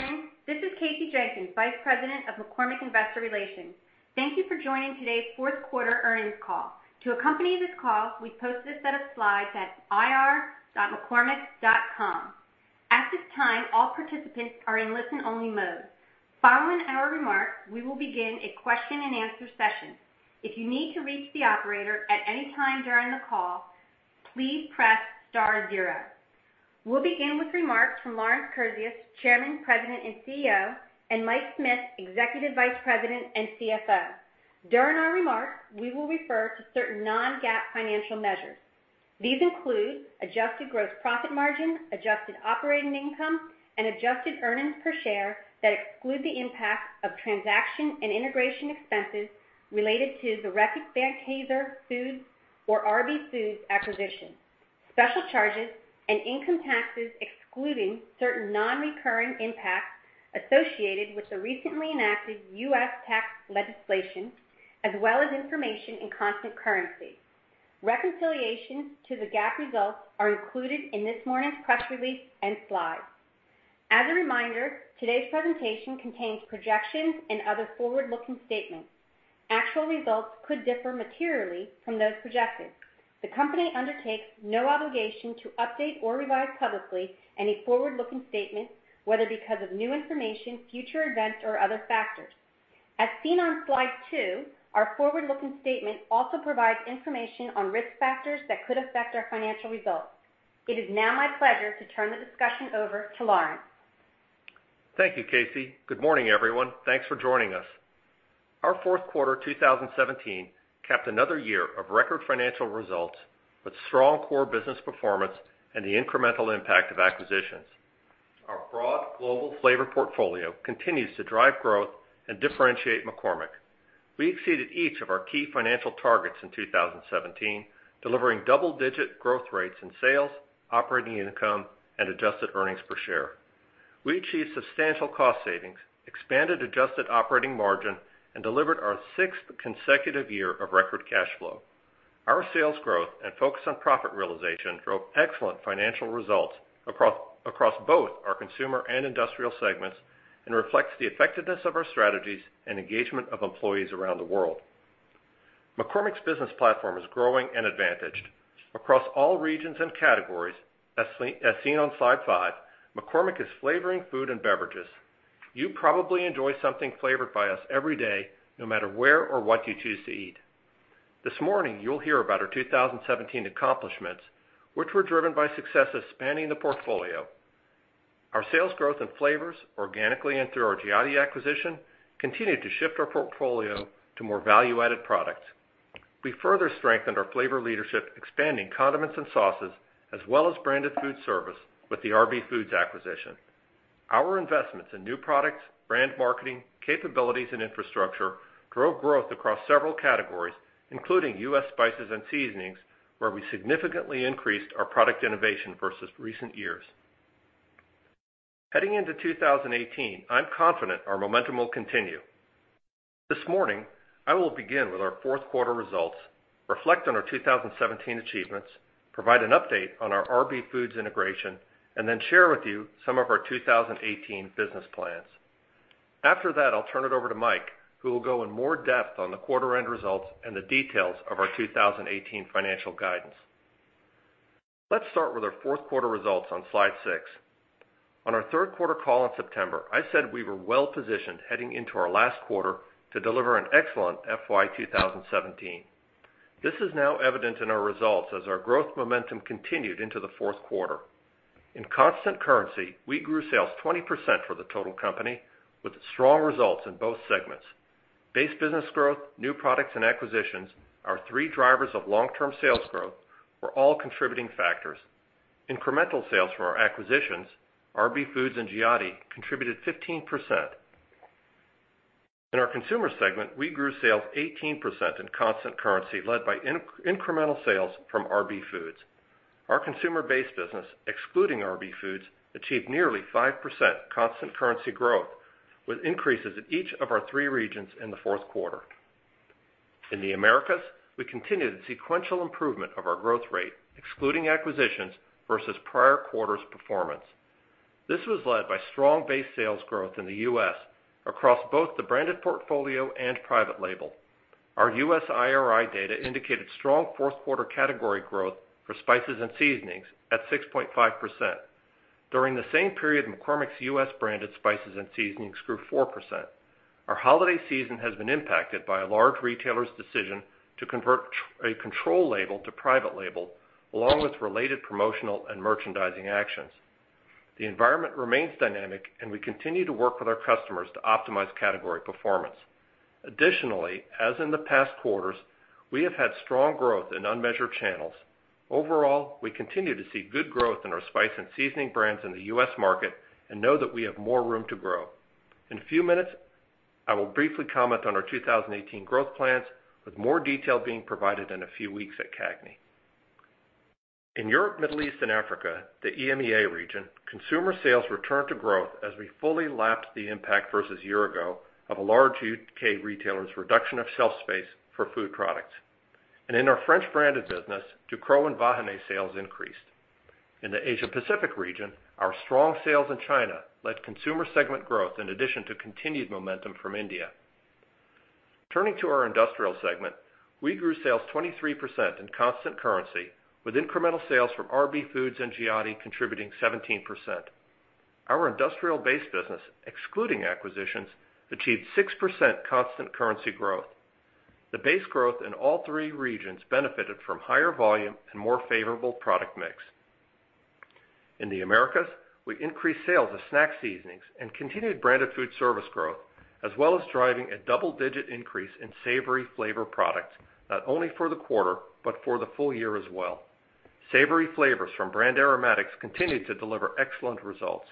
Good morning. This is Kasey Jenkins, Vice President of McCormick Investor Relations. Thank you for joining today's fourth quarter earnings call. To accompany this call, we've posted a set of slides at ir.mccormick.com. At this time, all participants are in listen-only mode. Following our remarks, we will begin a question and answer session. If you need to reach the operator at any time during the call, please press star zero. We'll begin with remarks from Lawrence Kurzius, Chairman, President, and CEO, and Mike Smith, Executive Vice President and CFO. During our remarks, we will refer to certain non-GAAP financial measures. These include adjusted gross profit margin, adjusted operating income, and adjusted earnings per share that exclude the impact of transaction and integration expenses related to the Reckitt Benckiser Foods or RB Foods acquisition, special charges, and income taxes excluding certain non-recurring impacts associated with the recently enacted U.S. tax legislation, as well as information in constant currency. Reconciliation to the GAAP results are included in this morning's press release and slides. As a reminder, today's presentation contains projections and other forward-looking statements. Actual results could differ materially from those projected. The company undertakes no obligation to update or revise publicly any forward-looking statements, whether because of new information, future events, or other factors. As seen on slide two, our forward-looking statement also provides information on risk factors that could affect our financial results. It is now my pleasure to turn the discussion over to Lawrence. Thank you, Kasey. Good morning, everyone. Thanks for joining us. Our fourth quarter 2017 capped another year of record financial results with strong core business performance and the incremental impact of acquisitions. Our broad global flavor portfolio continues to drive growth and differentiate McCormick. We exceeded each of our key financial targets in 2017, delivering double-digit growth rates in sales, operating income, and adjusted earnings per share. We achieved substantial cost savings, expanded adjusted operating margin, and delivered our sixth consecutive year of record cash flow. Our sales growth and focus on profit realization drove excellent financial results across both our Consumer and Industrial segments and reflects the effectiveness of our strategies and engagement of employees around the world. McCormick's business platform is growing and advantaged. Across all regions and categories, as seen on slide five, McCormick is flavoring food and beverages. You probably enjoy something flavored by us every day, no matter where or what you choose to eat. This morning, you'll hear about our 2017 accomplishments, which were driven by successes spanning the portfolio. Our sales growth in flavors, organically and through our Giotti acquisition, continued to shift our portfolio to more value-added products. We further strengthened our flavor leadership, expanding condiments and sauces, as well as branded food service with the RB Foods acquisition. Our investments in new products, brand marketing, capabilities, and infrastructure drove growth across several categories, including U.S. spices and seasonings, where we significantly increased our product innovation versus recent years. Heading into 2018, I'm confident our momentum will continue. This morning, I will begin with our fourth quarter results, reflect on our 2017 achievements, provide an update on our RB Foods integration, and then share with you some of our 2018 business plans. After that, I'll turn it over to Mike, who will go in more depth on the quarter-end results and the details of our 2018 financial guidance. Let's start with our fourth quarter results on slide six. On our third quarter call in September, I said we were well positioned heading into our last quarter to deliver an excellent FY 2017. This is now evident in our results as our growth momentum continued into the fourth quarter. In constant currency, we grew sales 20% for the total company with strong results in both segments. Base business growth, new products, and acquisitions, our three drivers of long-term sales growth, were all contributing factors. Incremental sales from our acquisitions, RB Foods and Giotti, contributed 15%. In our consumer segment, we grew sales 18% in constant currency, led by incremental sales from RB Foods. Our consumer base business, excluding RB Foods, achieved nearly 5% constant currency growth, with increases in each of our three regions in the fourth quarter. In the Americas, we continued the sequential improvement of our growth rate, excluding acquisitions versus prior quarters performance. This was led by strong base sales growth in the U.S. across both the branded portfolio and private label. Our U.S. IRI data indicated strong fourth quarter category growth for spices and seasonings at 6.5%. During the same period, McCormick's U.S. branded spices and seasonings grew 4%. Our holiday season has been impacted by a large retailer's decision to convert a control label to private label, along with related promotional and merchandising actions. The environment remains dynamic, and we continue to work with our customers to optimize category performance. Additionally, as in the past quarters, we have had strong growth in unmeasured channels. Overall, we continue to see good growth in our spice and seasoning brands in the U.S. market and know that we have more room to grow. In a few minutes, I will briefly comment on our 2018 growth plans, with more detail being provided in a few weeks at CAGNY. In Europe, Middle East, and Africa, the EMEA region, consumer sales returned to growth as we fully lapped the impact versus year ago of a large U.K. retailer's reduction of shelf space for food products. In our French branded business, Ducros and Vahiné sales increased. In the Asia Pacific region, our strong sales in China led consumer segment growth in addition to continued momentum from India. Turning to our industrial segment, we grew sales 23% in constant currency, with incremental sales from RB Foods and Giotti contributing 17%. Our industrial base business, excluding acquisitions, achieved 6% constant currency growth. The base growth in all three regions benefited from higher volume and more favorable product mix. In the Americas, we increased sales of snack seasonings and continued branded food service growth, as well as driving a double-digit increase in savory flavor products, not only for the quarter, but for the full year as well. Savory flavors from Brand Aromatics continue to deliver excellent results.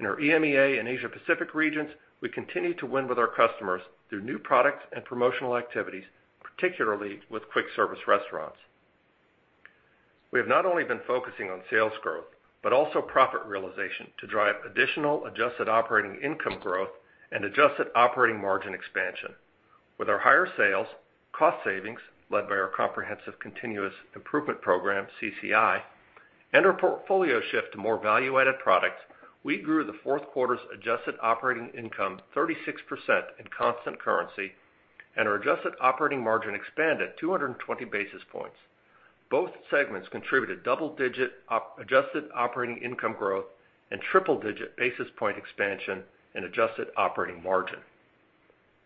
In our EMEA and Asia Pacific regions, we continue to win with our customers through new products and promotional activities, particularly with quick service restaurants. We have not only been focusing on sales growth, but also profit realization to drive additional adjusted operating income growth and adjusted operating margin expansion. With our higher sales, cost savings, led by our comprehensive continuous improvement program, CCI, and our portfolio shift to more value-added products, we grew the fourth quarter's adjusted operating income 36% in constant currency, and our adjusted operating margin expanded 220 basis points. Both segments contributed double-digit adjusted operating income growth and triple-digit basis point expansion in adjusted operating margin.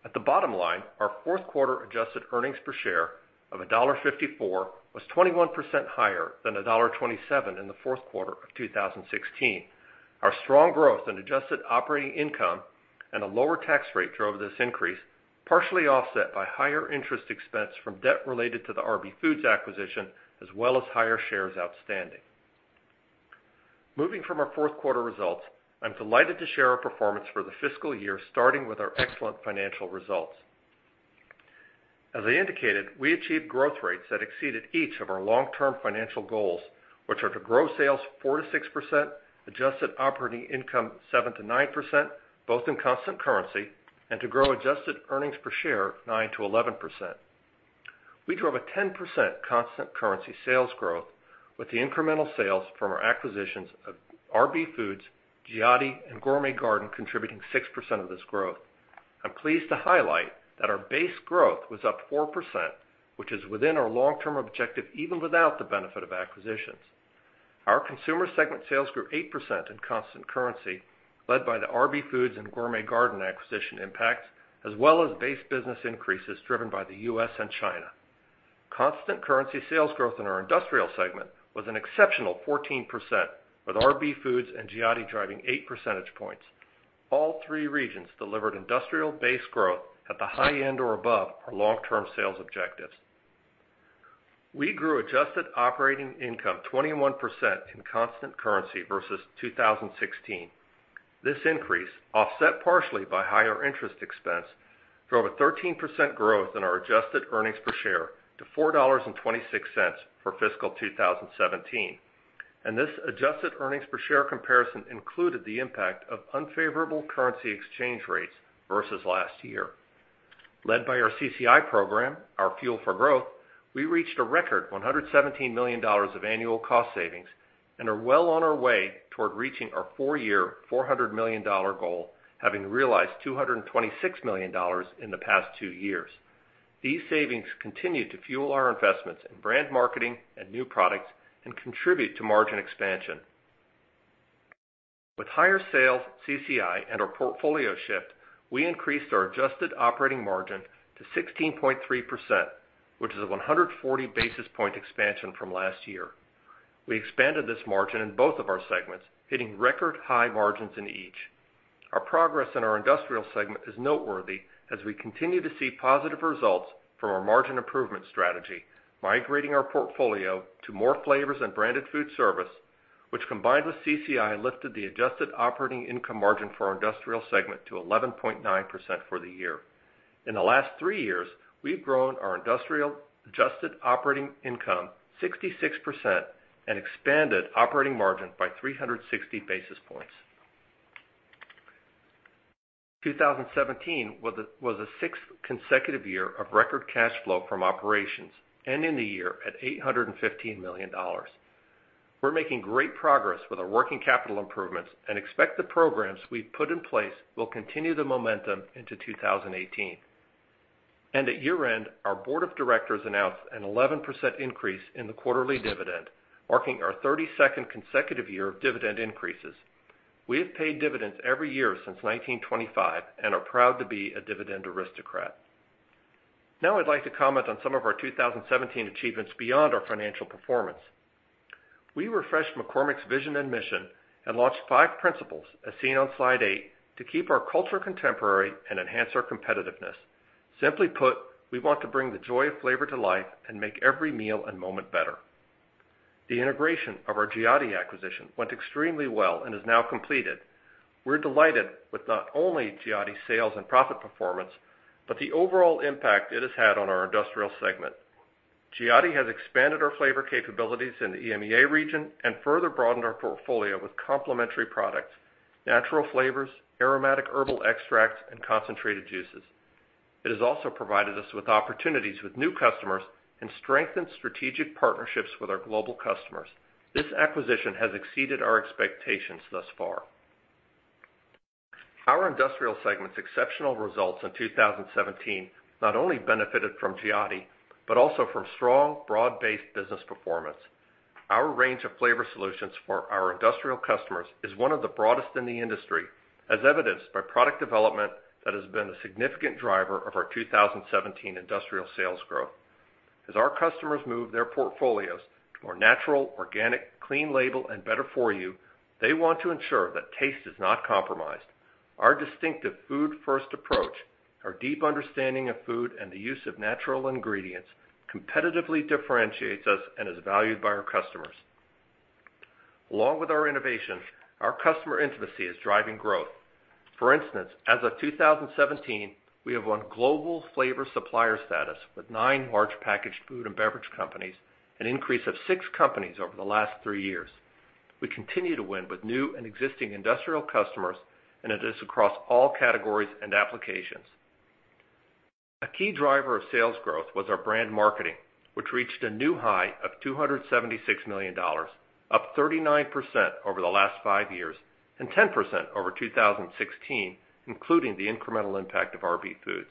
At the bottom line, our fourth quarter adjusted earnings per share of $1.54 was 21% higher than $1.27 in the fourth quarter of 2016. Our strong growth in adjusted operating income and a lower tax rate drove this increase, partially offset by higher interest expense from debt related to the RB Foods acquisition, as well as higher shares outstanding. Moving from our fourth quarter results, I'm delighted to share our performance for the fiscal year, starting with our excellent financial results. As I indicated, we achieved growth rates that exceeded each of our long-term financial goals, which are to grow sales 4%-6%, adjusted operating income 7%-9%, both in constant currency, and to grow adjusted earnings per share 9%-11%. We drove a 10% constant currency sales growth with the incremental sales from our acquisitions of RB Foods, Giotti, and Gourmet Garden contributing 6% of this growth. I'm pleased to highlight that our base growth was up 4%, which is within our long-term objective, even without the benefit of acquisitions. Our consumer segment sales grew 8% in constant currency, led by the RB Foods and Gourmet Garden acquisition impact, as well as base business increases driven by the U.S. and China. Constant currency sales growth in our industrial segment was an exceptional 14%, with RB Foods and Giotti driving eight percentage points. All three regions delivered industrial base growth at the high end or above our long-term sales objectives. We grew adjusted operating income 21% in constant currency versus 2016. This increase, offset partially by higher interest expense, drove a 13% growth in our adjusted earnings per share to $4.26 for fiscal 2017. This adjusted earnings per share comparison included the impact of unfavorable currency exchange rates versus last year. Led by our CCI program, our Fuel for Growth, we reached a record $117 million of annual cost savings and are well on our way toward reaching our four-year, $400 million goal, having realized $226 million in the past two years. These savings continue to fuel our investments in brand marketing and new products and contribute to margin expansion. With higher sales, CCI, and our portfolio shift, we increased our adjusted operating margin to 16.3%, which is a 140 basis point expansion from last year. We expanded this margin in both of our segments, hitting record high margins in each. Our progress in our industrial segment is noteworthy as we continue to see positive results from our margin improvement strategy, migrating our portfolio to more flavors and branded food service, which, combined with CCI, lifted the adjusted operating income margin for our industrial segment to 11.9% for the year. In the last three years, we've grown our industrial adjusted operating income 66% and expanded operating margin by 360 basis points. 2017 was the sixth consecutive year of record cash flow from operations, ending the year at $815 million. We're making great progress with our working capital improvements and expect the programs we've put in place will continue the momentum into 2018. At year-end, our board of directors announced an 11% increase in the quarterly dividend, marking our 32nd consecutive year of dividend increases. We have paid dividends every year since 1925 and are proud to be a dividend aristocrat. I'd like to comment on some of our 2017 achievements beyond our financial performance. We refreshed McCormick's vision and mission and launched five principles, as seen on slide eight, to keep our culture contemporary and enhance our competitiveness. Simply put, we want to bring the joy of flavor to life and make every meal and moment better. The integration of our Giotti acquisition went extremely well and is now completed. We're delighted with not only Giotti's sales and profit performance, but the overall impact it has had on our Industrial segment. Giotti has expanded our flavor capabilities in the EMEA region and further broadened our portfolio with complementary products. Natural flavors, aromatic herbal extracts, and concentrated juices. It has also provided us with opportunities with new customers and strengthened strategic partnerships with our global customers. This acquisition has exceeded our expectations thus far. Our Industrial segment's exceptional results in 2017 not only benefited from Giotti, but also from strong, broad-based business performance. Our range of flavor solutions for our industrial customers is one of the broadest in the industry, as evidenced by product development that has been a significant driver of our 2017 industrial sales growth. As our customers move their portfolios to more natural, organic, clean label, and better-for-you, they want to ensure that taste is not compromised. Our distinctive food-first approach, our deep understanding of food, and the use of natural ingredients competitively differentiates us and is valued by our customers. Along with our innovations, our customer intimacy is driving growth. For instance, as of 2017, we have won global flavor supplier status with nine large packaged food and beverage companies, an increase of six companies over the last three years. We continue to win with new and existing industrial customers, and it is across all categories and applications. A key driver of sales growth was our brand marketing, which reached a new high of $276 million, up 39% over the last five years and 10% over 2016, including the incremental impact of RB Foods.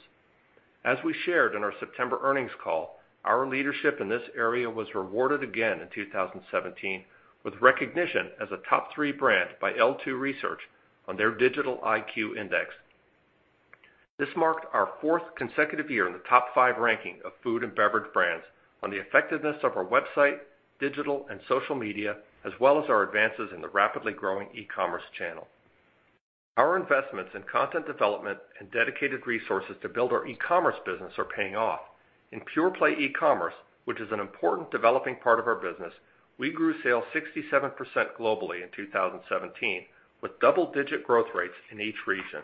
As we shared in our September earnings call, our leadership in this area was rewarded again in 2017 with recognition as a top three brand by L2 on their Digital IQ. This marked our fourth consecutive year in the top five ranking of food and beverage brands on the effectiveness of our website, digital, and social media, as well as our advances in the rapidly growing e-commerce channel. Our investments in content development and dedicated resources to build our e-commerce business are paying off. In pure-play e-commerce, which is an important developing part of our business, we grew sales 67% globally in 2017, with double-digit growth rates in each region.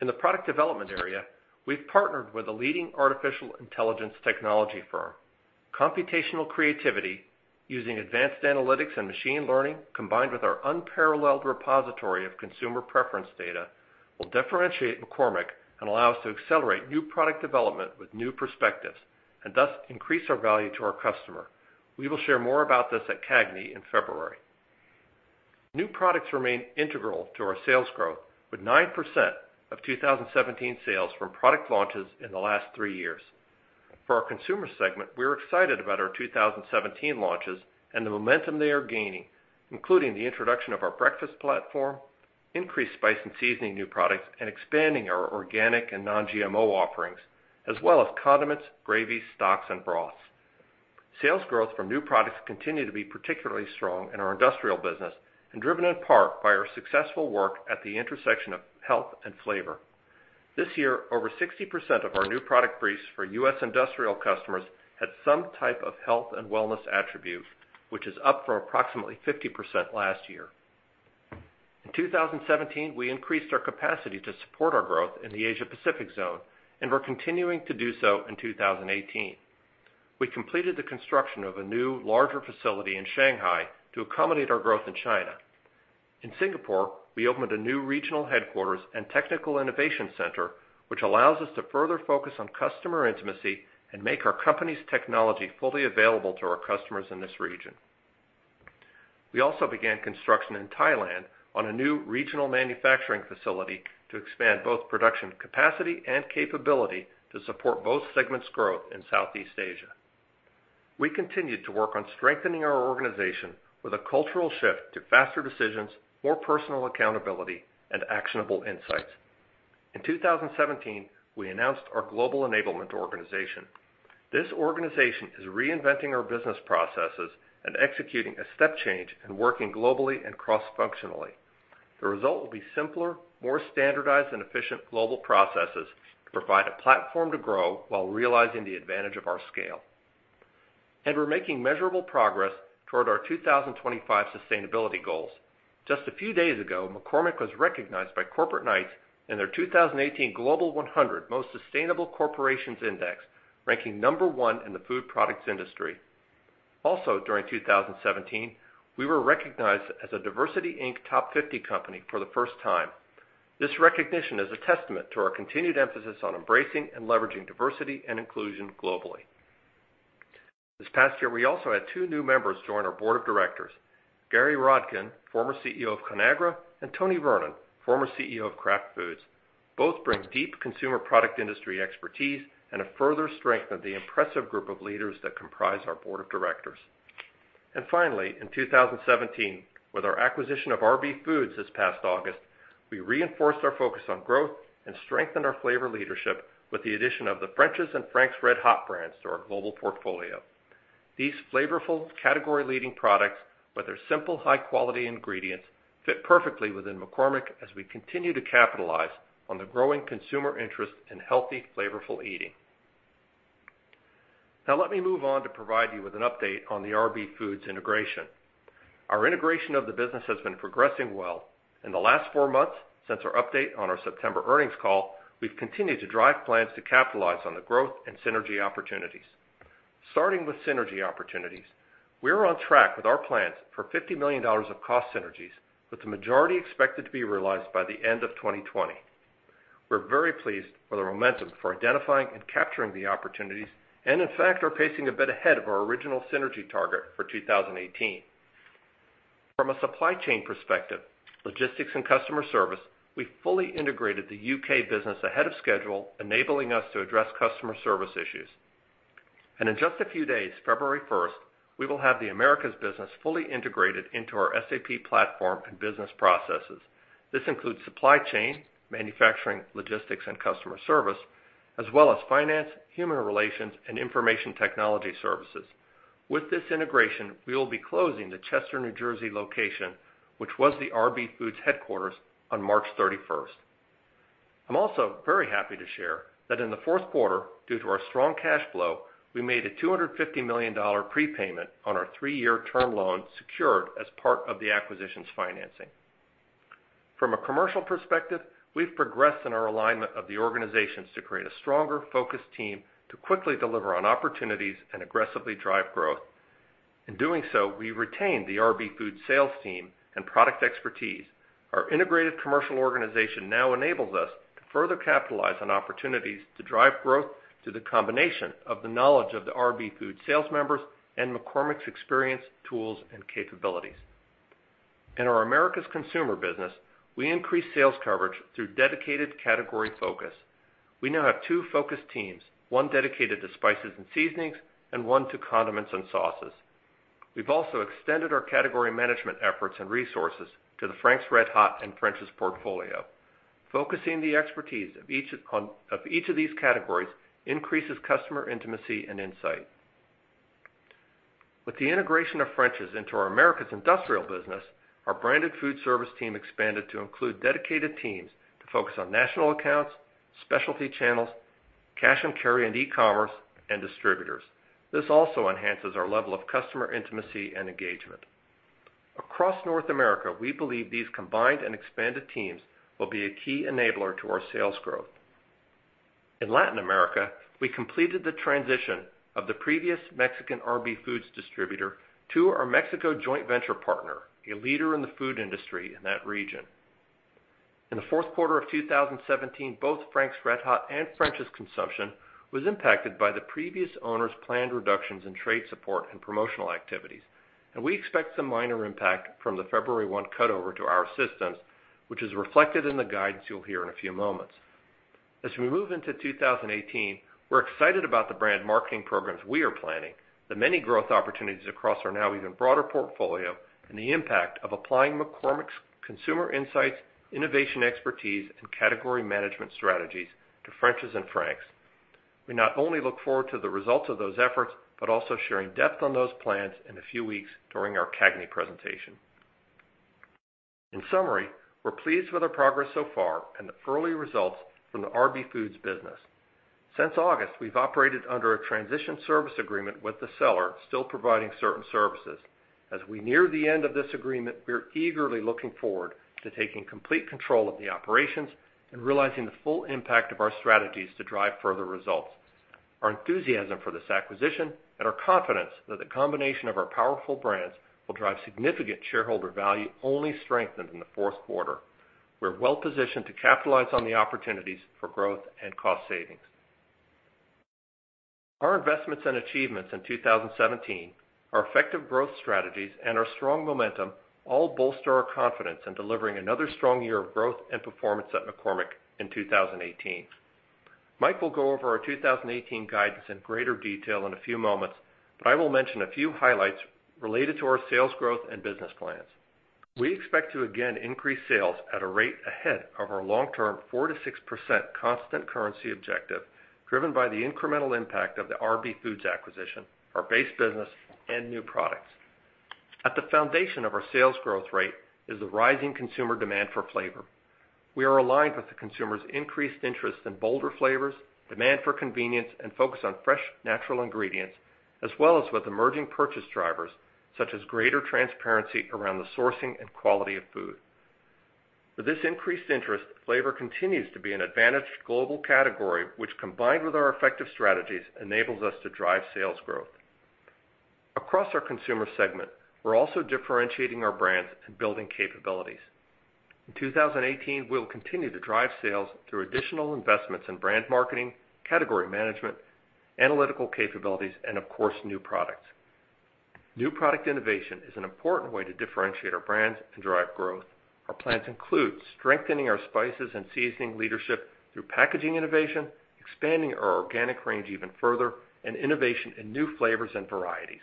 In the product development area, we've partnered with a leading artificial intelligence technology firm. Computational creativity using advanced analytics and machine learning, combined with our unparalleled repository of consumer preference data, will differentiate McCormick and allow us to accelerate new product development with new perspectives, thus increase our value to our customer. We will share more about this at CAGNY in February. New products remain integral to our sales growth, with 9% of 2017 sales from product launches in the last three years. For our Consumer segment, we're excited about our 2017 launches and the momentum they are gaining, including the introduction of our breakfast platform, increased spice and seasoning new products, expanding our organic and non-GMO offerings, as well as condiments, gravies, stocks, and broths. Sales growth from new products continue to be particularly strong in our Industrial business and driven in part by our successful work at the intersection of health and flavor. This year, over 60% of our new product briefs for U.S. Industrial customers had some type of health and wellness attribute, which is up from approximately 50% last year. In 2017, we increased our capacity to support our growth in the Asia-Pacific zone, we're continuing to do so in 2018. We completed the construction of a new, larger facility in Shanghai to accommodate our growth in China. In Singapore, we opened a new regional headquarters and technical innovation center, which allows us to further focus on customer intimacy and make our company's technology fully available to our customers in this region. We also began construction in Thailand on a new regional manufacturing facility to expand both production capacity and capability to support both segments' growth in Southeast Asia. We continued to work on strengthening our organization with a cultural shift to faster decisions, more personal accountability, actionable insights. In 2017, we announced our global enablement organization. This organization is reinventing our business processes and executing a step change in working globally and cross-functionally. The result will be simpler, more standardized and efficient global processes to provide a platform to grow while realizing the advantage of our scale. We're making measurable progress toward our 2025 sustainability goals. Just a few days ago, McCormick was recognized by Corporate Knights in their 2018 Global 100 Most Sustainable Corporations Index, ranking number 1 in the food products industry. Also during 2017, we were recognized as a DiversityInc Top 50 company for the first time. This recognition is a testament to our continued emphasis on embracing and leveraging diversity and inclusion globally. This past year, we also had two new members join our board of directors: Gary Rodkin, former CEO of Conagra, Tony Vernon, former CEO of Kraft Foods. Both bring deep consumer product industry expertise and a further strength of the impressive group of leaders that comprise our board of directors. Finally, in 2017, with our acquisition of RB Foods this past August, we reinforced our focus on growth and strengthened our flavor leadership with the addition of the French's and Frank's RedHot brands to our global portfolio. These flavorful, category-leading products, with their simple, high-quality ingredients, fit perfectly within McCormick as we continue to capitalize on the growing consumer interest in healthy, flavorful eating. Now, let me move on to provide you with an update on the RB Foods integration. Our integration of the business has been progressing well. In the last four months since our update on our September earnings call, we've continued to drive plans to capitalize on the growth and synergy opportunities. Starting with synergy opportunities, we are on track with our plans for $50 million of cost synergies, with the majority expected to be realized by the end of 2020. We're very pleased with the momentum for identifying and capturing the opportunities, in fact, are pacing a bit ahead of our original synergy target for 2018. From a supply chain perspective, logistics, and customer service, we fully integrated the U.K. business ahead of schedule, enabling us to address customer service issues. In just a few days, February 1st, we will have the Americas business fully integrated into our SAP platform and business processes. This includes supply chain, manufacturing, logistics, and customer service, as well as finance, human relations, and information technology services. With this integration, we will be closing the Chester, New Jersey location, which was the RB Foods headquarters, on March 31st. I'm also very happy to share that in the fourth quarter, due to our strong cash flow, we made a $250 million prepayment on our three-year term loan secured as part of the acquisitions financing. From a commercial perspective, we've progressed in our alignment of the organizations to create a stronger, focused team to quickly deliver on opportunities and aggressively drive growth. In doing so, we retained the RB Foods sales team and product expertise. Our integrated commercial organization now enables us to further capitalize on opportunities to drive growth through the combination of the knowledge of the RB Foods sales members and McCormick's experience, tools, and capabilities. In our Americas consumer business, we increased sales coverage through dedicated category focus. We now have two focus teams, one dedicated to spices and seasonings, and one to condiments and sauces. We've also extended our category management efforts and resources to the Frank's RedHot and French's portfolio. Focusing the expertise of each of these categories increases customer intimacy and insight. With the integration of French's into our Americas industrial business, our branded food service team expanded to include dedicated teams to focus on national accounts, specialty channels, cash and carry and e-commerce, and distributors. This also enhances our level of customer intimacy and engagement. Across North America, we believe these combined and expanded teams will be a key enabler to our sales growth. In Latin America, we completed the transition of the previous Mexican RB Foods distributor to our Mexico joint venture partner, a leader in the food industry in that region. In the fourth quarter of 2017, both Frank's RedHot and French's consumption was impacted by the previous owner's planned reductions in trade support and promotional activities. We expect some minor impact from the February 1 cutover to our systems, which is reflected in the guidance you'll hear in a few moments. As we move into 2018, we're excited about the brand marketing programs we are planning, the many growth opportunities across our now even broader portfolio, and the impact of applying McCormick's consumer insights, innovation expertise, and category management strategies to French's and Frank's. We not only look forward to the results of those efforts, but also sharing depth on those plans in a few weeks during our CAGNY presentation. In summary, we're pleased with our progress so far and the early results from the RB Foods business. Since August, we've operated under a transition service agreement with the seller, still providing certain services. As we near the end of this agreement, we're eagerly looking forward to taking complete control of the operations and realizing the full impact of our strategies to drive further results. Our enthusiasm for this acquisition and our confidence that the combination of our powerful brands will drive significant shareholder value only strengthened in the fourth quarter. We're well positioned to capitalize on the opportunities for growth and cost savings. Our investments and achievements in 2017, our effective growth strategies, and our strong momentum all bolster our confidence in delivering another strong year of growth and performance at McCormick in 2018. Mike will go over our 2018 guidance in greater detail in a few moments, but I will mention a few highlights related to our sales growth and business plans. We expect to again increase sales at a rate ahead of our long-term 4%-6% constant currency objective, driven by the incremental impact of the RB Foods acquisition, our base business, and new products. At the foundation of our sales growth rate is the rising consumer demand for flavor. We are aligned with the consumer's increased interest in bolder flavors, demand for convenience, and focus on fresh, natural ingredients, as well as with emerging purchase drivers, such as greater transparency around the sourcing and quality of food. With this increased interest, flavor continues to be an advantaged global category, which combined with our effective strategies, enables us to drive sales growth. Across our consumer segment, we're also differentiating our brands and building capabilities. In 2018, we'll continue to drive sales through additional investments in brand marketing, category management, analytical capabilities, and of course, new products. New product innovation is an important way to differentiate our brands and drive growth. Our plans include strengthening our spices and seasoning leadership through packaging innovation, expanding our organic range even further, and innovation in new flavors and varieties.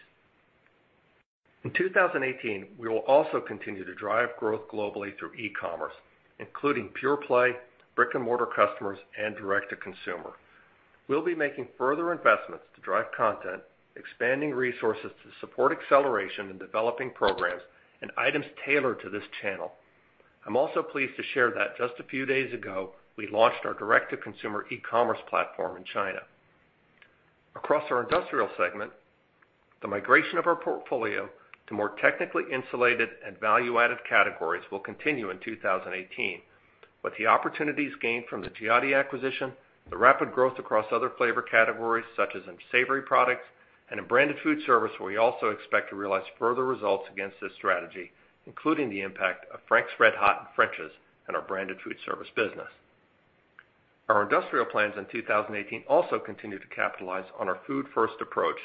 In 2018, we will also continue to drive growth globally through e-commerce, including pure play, brick and mortar customers, and direct to consumer. We'll be making further investments to drive content, expanding resources to support acceleration in developing programs and items tailored to this channel. I'm also pleased to share that just a few days ago, we launched our direct to consumer e-commerce platform in China. Across our industrial segment. The migration of our portfolio to more technically insulated and value-added categories will continue in 2018. With the opportunities gained from the Giotti acquisition, the rapid growth across other flavor categories, such as in savory products and in branded food service, we also expect to realize further results against this strategy, including the impact of Frank's RedHot and French's in our branded food service business. Our industrial plans in 2018 also continue to capitalize on our food-first approach,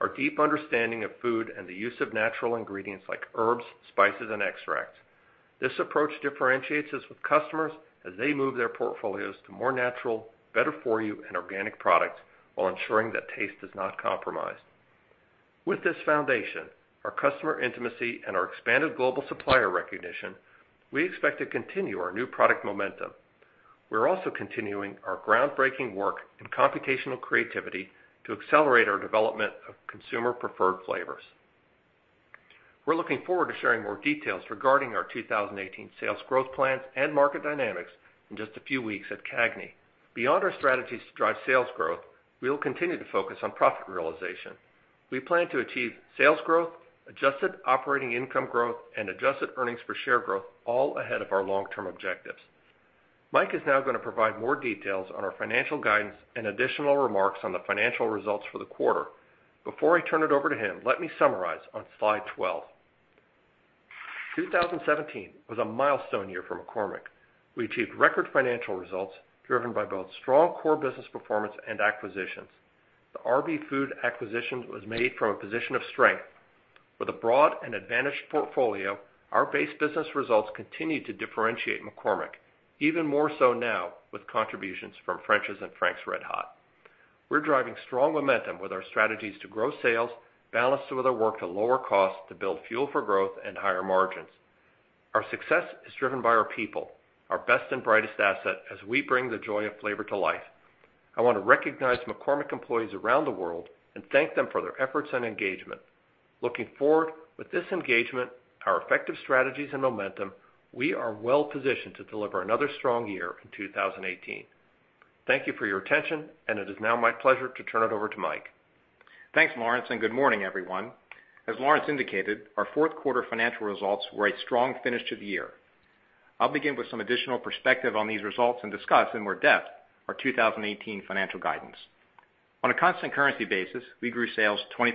our deep understanding of food, and the use of natural ingredients like herbs, spices, and extracts. This approach differentiates us with customers as they move their portfolios to more natural, better for you, and organic products while ensuring that taste is not compromised. With this foundation, our customer intimacy, and our expanded global supplier recognition, we expect to continue our new product momentum. We're also continuing our groundbreaking work in computational creativity to accelerate our development of consumer-preferred flavors. We're looking forward to sharing more details regarding our 2018 sales growth plans and market dynamics in just a few weeks at CAGNY. Beyond our strategies to drive sales growth, we will continue to focus on profit realization. We plan to achieve sales growth, adjusted operating income growth, and adjusted earnings per share growth all ahead of our long-term objectives. Mike is now going to provide more details on our financial guidance and additional remarks on the financial results for the quarter. Before I turn it over to him, let me summarize on slide 12. 2017 was a milestone year for McCormick. We achieved record financial results driven by both strong core business performance and acquisitions. The RB Foods acquisition was made from a position of strength. With a broad and advantaged portfolio, our base business results continue to differentiate McCormick, even more so now with contributions from French's and Frank's RedHot. We're driving strong momentum with our strategies to grow sales, balanced with our work to lower costs to build Fuel for Growth and higher margins. Our success is driven by our people, our best and brightest asset, as we bring the joy of flavor to life. I want to recognize McCormick employees around the world and thank them for their efforts and engagement. Looking forward, with this engagement, our effective strategies, and momentum, we are well positioned to deliver another strong year in 2018. Thank you for your attention, and it is now my pleasure to turn it over to Mike. Thanks, Lawrence. Good morning, everyone. As Lawrence indicated, our fourth quarter financial results were a strong finish to the year. I'll begin with some additional perspective on these results and discuss in more depth our 2018 financial guidance. On a constant currency basis, we grew sales 20%.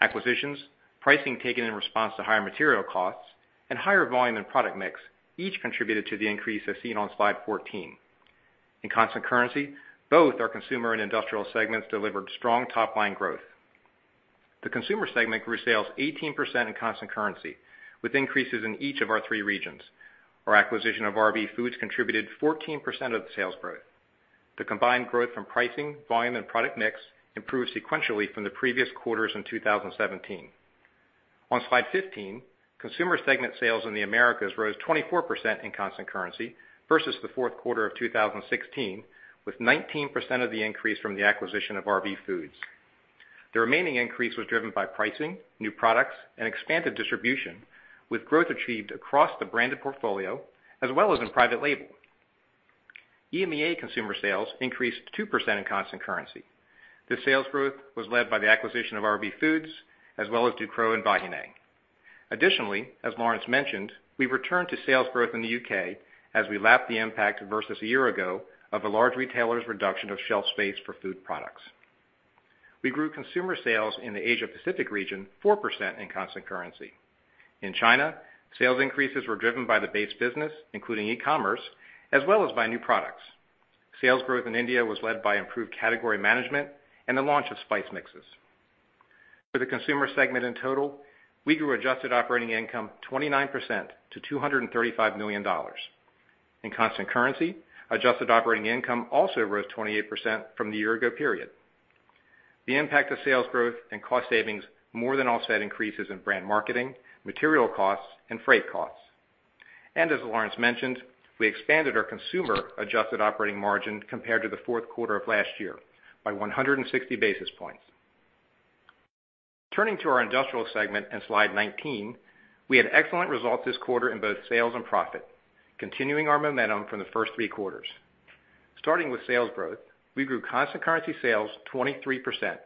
Acquisitions, pricing taken in response to higher material costs, and higher volume and product mix each contributed to the increase as seen on slide 14. In constant currency, both our consumer and industrial segments delivered strong top-line growth. The consumer segment grew sales 18% in constant currency, with increases in each of our three regions. Our acquisition of RB Foods contributed 14% of the sales growth. The combined growth from pricing, volume, and product mix improved sequentially from the previous quarters in 2017. On slide 15, consumer segment sales in the Americas rose 24% in constant currency versus the fourth quarter of 2016, with 19% of the increase from the acquisition of RB Foods. The remaining increase was driven by pricing, new products, and expanded distribution, with growth achieved across the branded portfolio, as well as in private label. EMEA consumer sales increased 2% in constant currency. This sales growth was led by the acquisition of RB Foods, as well as Ducros and Vahiné. Additionally, as Lawrence mentioned, we returned to sales growth in the U.K. as we lapped the impact versus a year ago of a large retailer's reduction of shelf space for food products. We grew consumer sales in the Asia-Pacific region 4% in constant currency. In China, sales increases were driven by the base business, including e-commerce, as well as by new products. Sales growth in India was led by improved category management and the launch of spice mixes. For the consumer segment in total, we grew adjusted operating income 29% to $235 million. In constant currency, adjusted operating income also rose 28% from the year ago period. The impact of sales growth and cost savings more than offset increases in brand marketing, material costs, and freight costs. As Lawrence mentioned, we expanded our consumer adjusted operating margin compared to the fourth quarter of last year by 160 basis points. Turning to our industrial segment on slide 19, we had excellent results this quarter in both sales and profit, continuing our momentum from the first three quarters. Starting with sales growth, we grew constant currency sales 23%,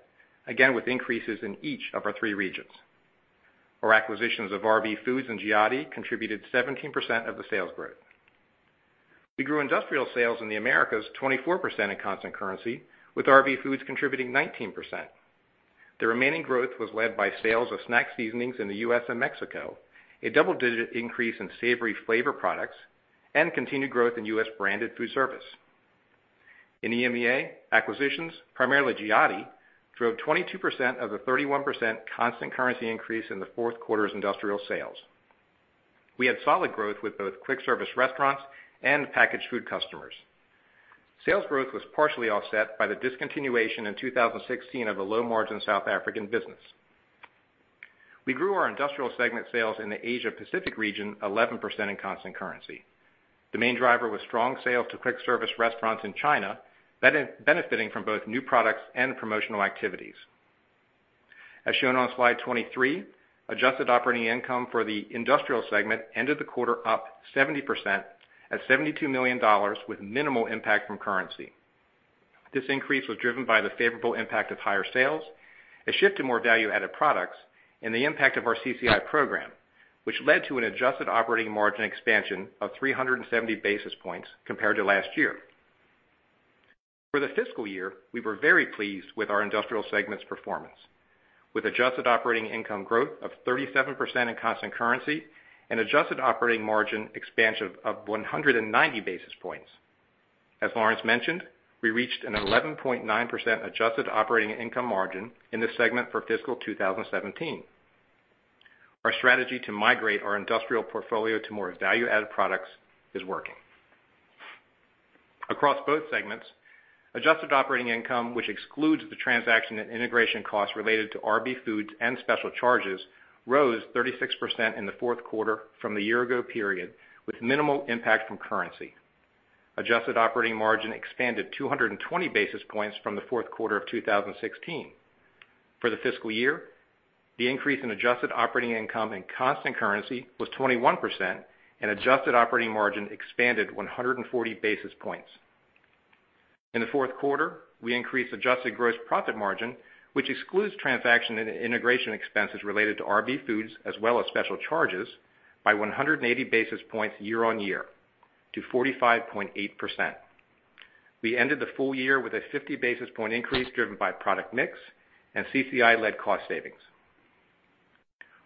again, with increases in each of our three regions. Our acquisitions of RB Foods and Giotti contributed 17% of the sales growth. We grew industrial sales in the Americas 24% in constant currency, with RB Foods contributing 19%. The remaining growth was led by sales of snack seasonings in the U.S. and Mexico, a double-digit increase in savory flavor products, and continued growth in U.S. branded food service. In EMEA, acquisitions, primarily Giotti, drove 22% of the 31% constant currency increase in the fourth quarter's industrial sales. We had solid growth with both quick service restaurants and packaged food customers. Sales growth was partially offset by the discontinuation in 2016 of a low-margin South African business. We grew our industrial segment sales in the Asia-Pacific region 11% in constant currency. The main driver was strong sales to quick service restaurants in China, benefiting from both new products and promotional activities. As shown on slide 23, adjusted operating income for the industrial segment ended the quarter up 70% at $72 million with minimal impact from currency. This increase was driven by the favorable impact of higher sales, a shift to more value-added products, and the impact of our CCI program, which led to an adjusted operating margin expansion of 370 basis points compared to last year. For the fiscal year, we were very pleased with our industrial segment's performance, with adjusted operating income growth of 37% in constant currency and adjusted operating margin expansion of 190 basis points. As Lawrence mentioned, we reached an 11.9% adjusted operating income margin in this segment for fiscal 2017. Our strategy to migrate our industrial portfolio to more value-added products is working. Across both segments, adjusted operating income, which excludes the transaction and integration costs related to RB Foods and special charges, rose 36% in the fourth quarter from the year ago period with minimal impact from currency. Adjusted operating margin expanded 220 basis points from the fourth quarter of 2016. For the fiscal year, the increase in adjusted operating income in constant currency was 21%. Adjusted operating margin expanded 140 basis points. In the fourth quarter, we increased adjusted gross profit margin, which excludes transaction and integration expenses related to RB Foods, as well as special charges, by 180 basis points year-over-year to 45.8%. We ended the full year with a 50 basis point increase driven by product mix and CCI-led cost savings.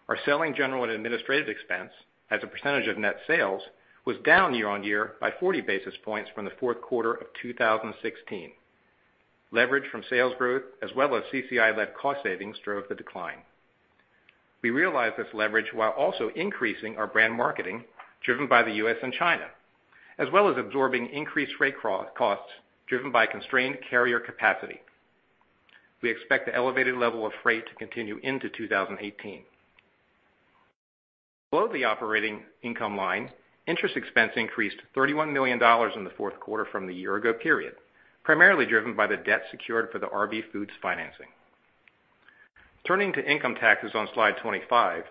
Our selling general and administrative expense as a percentage of net sales was down year-over-year by 40 basis points from the fourth quarter of 2016. Leverage from sales growth as well as CCI-led cost savings drove the decline. We realized this leverage while also increasing our brand marketing driven by the U.S. and China, as well as absorbing increased freight costs driven by constrained carrier capacity. We expect the elevated level of freight to continue into 2018. Below the operating income line, interest expense increased $31 million in the fourth quarter from the year ago period, primarily driven by the debt secured for the RB Foods financing. Turning to income taxes on slide 25,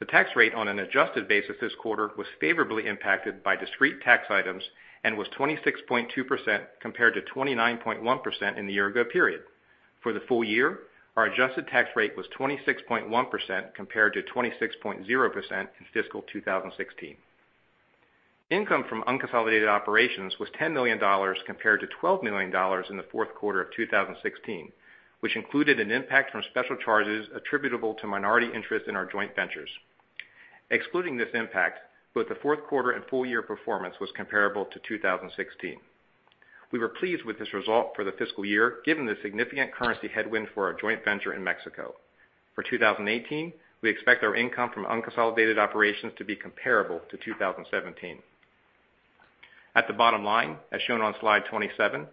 the tax rate on an adjusted basis this quarter was favorably impacted by discrete tax items and was 26.2% compared to 29.1% in the year ago period. For the full year, our adjusted tax rate was 26.1% compared to 26.0% in fiscal 2016. Income from unconsolidated operations was $10 million compared to $12 million in the fourth quarter of 2016, which included an impact from special charges attributable to minority interest in our joint ventures. Excluding this impact, both the fourth quarter and full year performance was comparable to 2016. We were pleased with this result for the fiscal year given the significant currency headwind for our joint venture in Mexico. For 2018, we expect our income from unconsolidated operations to be comparable to 2017. At the bottom line, as shown on slide 27,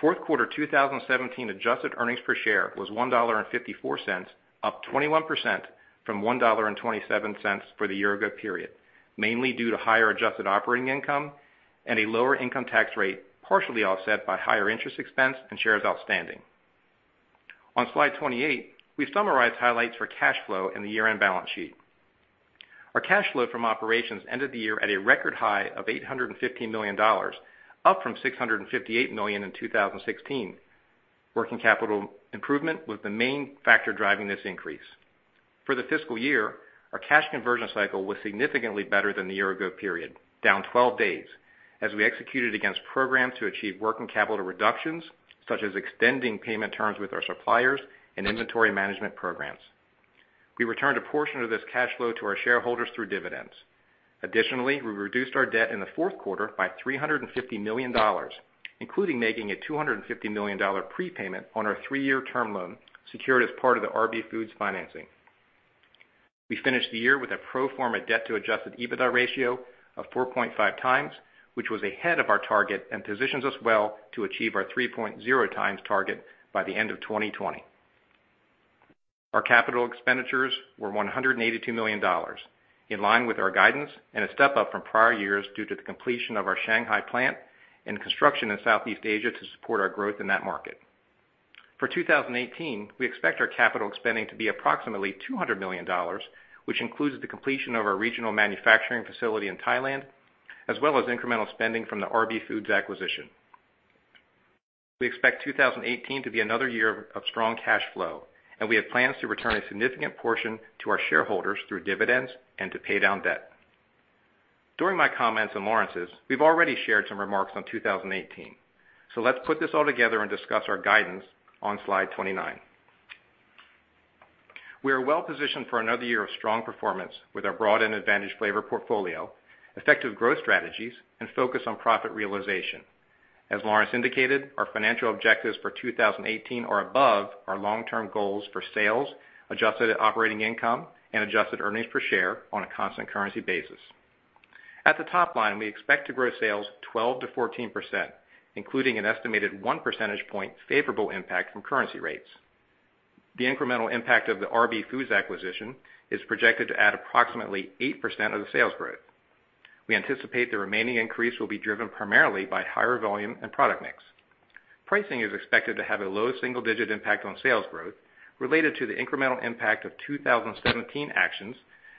fourth quarter 2017 adjusted earnings per share was $1.54, up 21% from $1.27 for the year ago period, mainly due to higher adjusted operating income and a lower income tax rate, partially offset by higher interest expense and shares outstanding. On slide 28, we summarize highlights for cash flow and the year-end balance sheet. Our cash flow from operations ended the year at a record high of $815 million, up from $658 million in 2016. Working capital improvement was the main factor driving this increase. For the fiscal year, our cash conversion cycle was significantly better than the year ago period, down 12 days, as we executed against programs to achieve working capital reductions, such as extending payment terms with our suppliers and inventory management programs. We returned a portion of this cash flow to our shareholders through dividends. Additionally, we reduced our debt in the fourth quarter by $350 million, including making a $250 million prepayment on our three-year term loan secured as part of the RB Foods financing. We finished the year with a pro forma debt to adjusted EBITDA ratio of 4.5 times, which was ahead of our target and positions us well to achieve our 3.0 times target by the end of 2020. Our capital expenditures were $182 million, in line with our guidance and a step-up from prior years due to the completion of our Shanghai plant and construction in Southeast Asia to support our growth in that market. For 2018, we expect our capital spending to be approximately $200 million, which includes the completion of our regional manufacturing facility in Thailand, as well as incremental spending from the RB Foods acquisition. We expect 2018 to be another year of strong cash flow, and we have plans to return a significant portion to our shareholders through dividends and to pay down debt. During my comments and Lawrence's, we've already shared some remarks on 2018. Let's put this all together and discuss our guidance on slide 29. We are well positioned for another year of strong performance with our broad and advantage flavor portfolio, effective growth strategies, and focus on profit realization. As Lawrence indicated, our financial objectives for 2018 are above our long-term goals for sales, adjusted operating income, and adjusted earnings per share on a constant currency basis. At the top line, we expect to grow sales 12%-14%, including an estimated one percentage point favorable impact from currency rates. The incremental impact of the RB Foods acquisition is projected to add approximately 8% of the sales growth. We anticipate the remaining increase will be driven primarily by higher volume and product mix. Pricing is expected to have a low single-digit impact on sales growth related to the incremental impact of 2017 actions,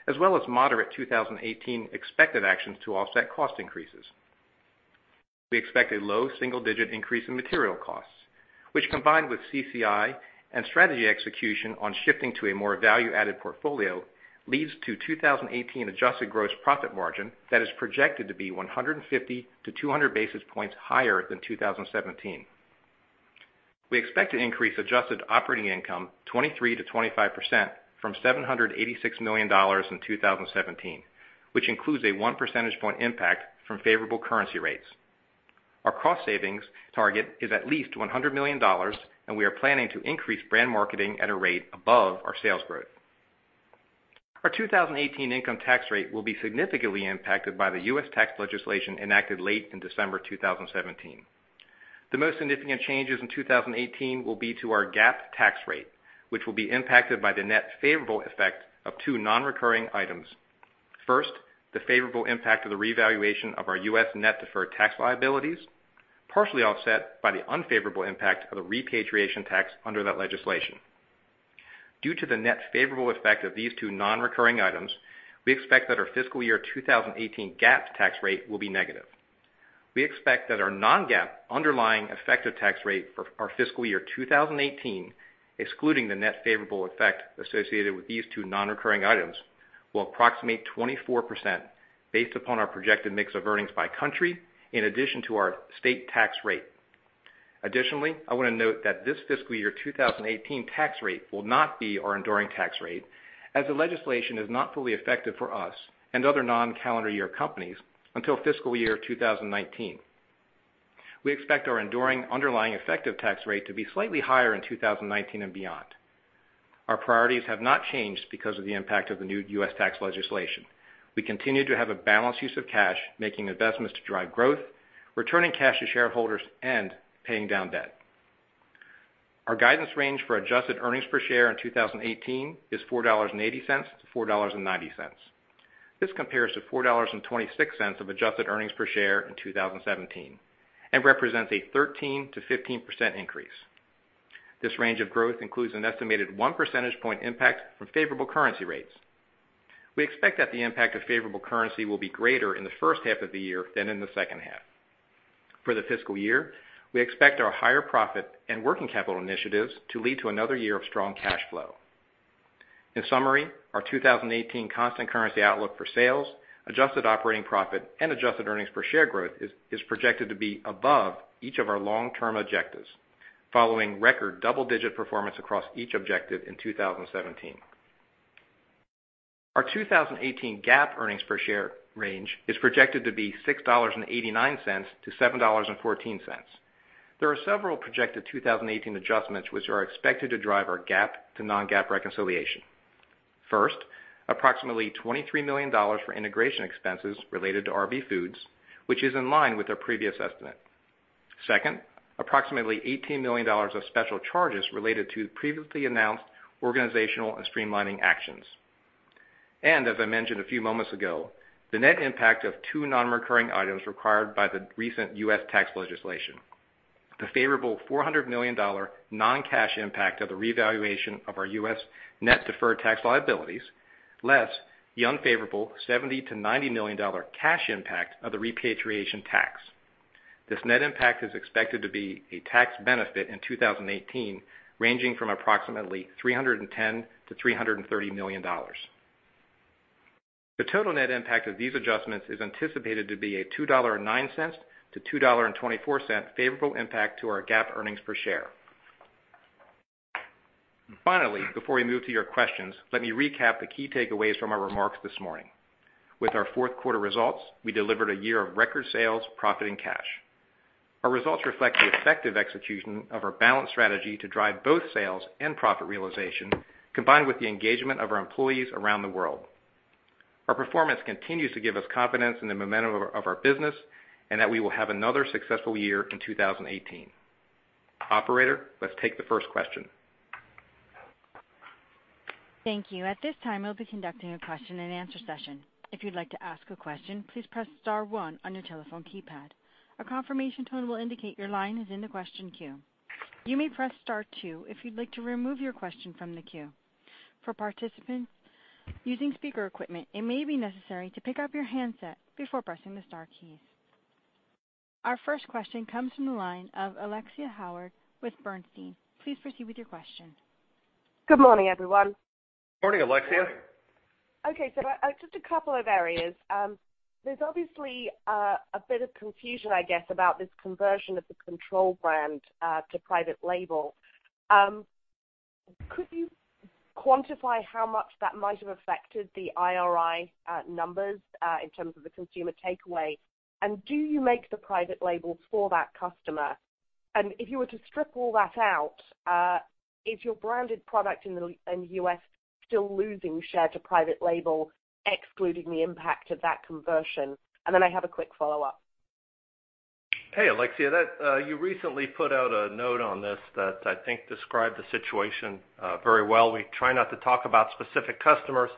as well as moderate 2018 expected actions to offset cost increases. We expect a low single-digit increase in material costs, which combined with CCI and strategy execution on shifting to a more value-added portfolio, leads to 2018 adjusted gross profit margin that is projected to be 150 to 200 basis points higher than 2017. We expect to increase adjusted operating income 23%-25% from $786 million in 2017, which includes a one percentage point impact from favorable currency rates. Our cost savings target is at least $100 million, and we are planning to increase brand marketing at a rate above our sales growth. Our 2018 income tax rate will be significantly impacted by the U.S. tax legislation enacted late in December 2017. The most significant changes in 2018 will be to our GAAP tax rate, which will be impacted by the net favorable effect of two non-recurring items. First, the favorable impact of the revaluation of our U.S. net deferred tax liabilities, partially offset by the unfavorable impact of the repatriation tax under that legislation. Due to the net favorable effect of these two non-recurring items, we expect that our fiscal year 2018 GAAP tax rate will be negative. We expect that our non-GAAP underlying effective tax rate for our fiscal year 2018, excluding the net favorable effect associated with these two non-recurring items, will approximate 24% based upon our projected mix of earnings by country, in addition to our state tax rate. I want to note that this fiscal year 2018 tax rate will not be our enduring tax rate, as the legislation is not fully effective for us and other non-calendar year companies until fiscal year 2019. We expect our enduring underlying effective tax rate to be slightly higher in 2019 and beyond. Our priorities have not changed because of the impact of the new U.S. tax legislation. We continue to have a balanced use of cash, making investments to drive growth, returning cash to shareholders, and paying down debt. Our guidance range for adjusted earnings per share in 2018 is $4.80-$4.90. This compares to $4.26 of adjusted earnings per share in 2017 and represents a 13%-15% increase. This range of growth includes an estimated one percentage point impact from favorable currency rates. We expect that the impact of favorable currency will be greater in the first half of the year than in the second half. For the fiscal year, we expect our higher profit and working capital initiatives to lead to another year of strong cash flow. In summary, our 2018 constant currency outlook for sales, adjusted operating profit, and adjusted earnings per share growth is projected to be above each of our long-term objectives, following record double-digit performance across each objective in 2017. Our 2018 GAAP earnings per share range is projected to be $6.89-$7.14. There are several projected 2018 adjustments which are expected to drive our GAAP to non-GAAP reconciliation. First, approximately $23 million for integration expenses related to RB Foods, which is in line with our previous estimate. Second, approximately $18 million of special charges related to previously announced organizational and streamlining actions. As I mentioned a few moments ago, the net impact of two non-recurring items required by the recent U.S. tax legislation. The favorable $400 million non-cash impact of the revaluation of our U.S. net deferred tax liabilities, less the unfavorable $70 million-$90 million cash impact of the repatriation tax. This net impact is expected to be a tax benefit in 2018, ranging from approximately $310 million-$330 million. The total net impact of these adjustments is anticipated to be a $2.09-$2.24 favorable impact to our GAAP earnings per share. Finally, before we move to your questions, let me recap the key takeaways from our remarks this morning. With our fourth quarter results, we delivered a year of record sales, profit, and cash. Our results reflect the effective execution of our balanced strategy to drive both sales and profit realization, combined with the engagement of our employees around the world. Our performance continues to give us confidence in the momentum of our business and that we will have another successful year in 2018. Operator, let's take the first question. Thank you. At this time, we'll be conducting a question and answer session. If you'd like to ask a question, please press star one on your telephone keypad. A confirmation tone will indicate your line is in the question queue. You may press star two if you'd like to remove your question from the queue. For participants using speaker equipment, it may be necessary to pick up your handset before pressing the star keys. Our first question comes from the line of Alexia Howard with Bernstein. Please proceed with your question. Good morning, everyone. Morning, Alexia. Okay. Just a couple of areas. There's obviously a bit of confusion, I guess, about this conversion of the control brand to private label. Could you quantify how much that might have affected the IRI numbers, in terms of the consumer takeaway? Do you make the private labels for that customer? If you were to strip all that out, is your branded product in the U.S. still losing share to private label, excluding the impact of that conversion? I have a quick follow-up. Hey, Alexia. You recently put out a note on this that I think described the situation very well. We try not to talk about specific customers.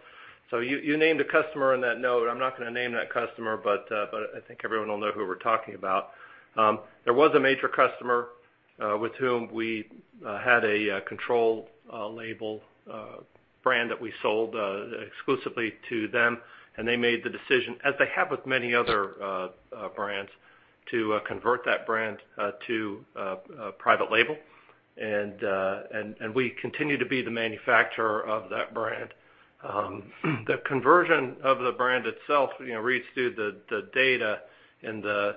You named a customer in that note. I'm not going to name that customer, but I think everyone will know who we're talking about. There was a major customer with whom we had a control label brand that we sold exclusively to them, and they made the decision, as they have with many other brands, to convert that brand to private label. We continue to be the manufacturer of that brand. The conversion of the brand itself reads through the data and the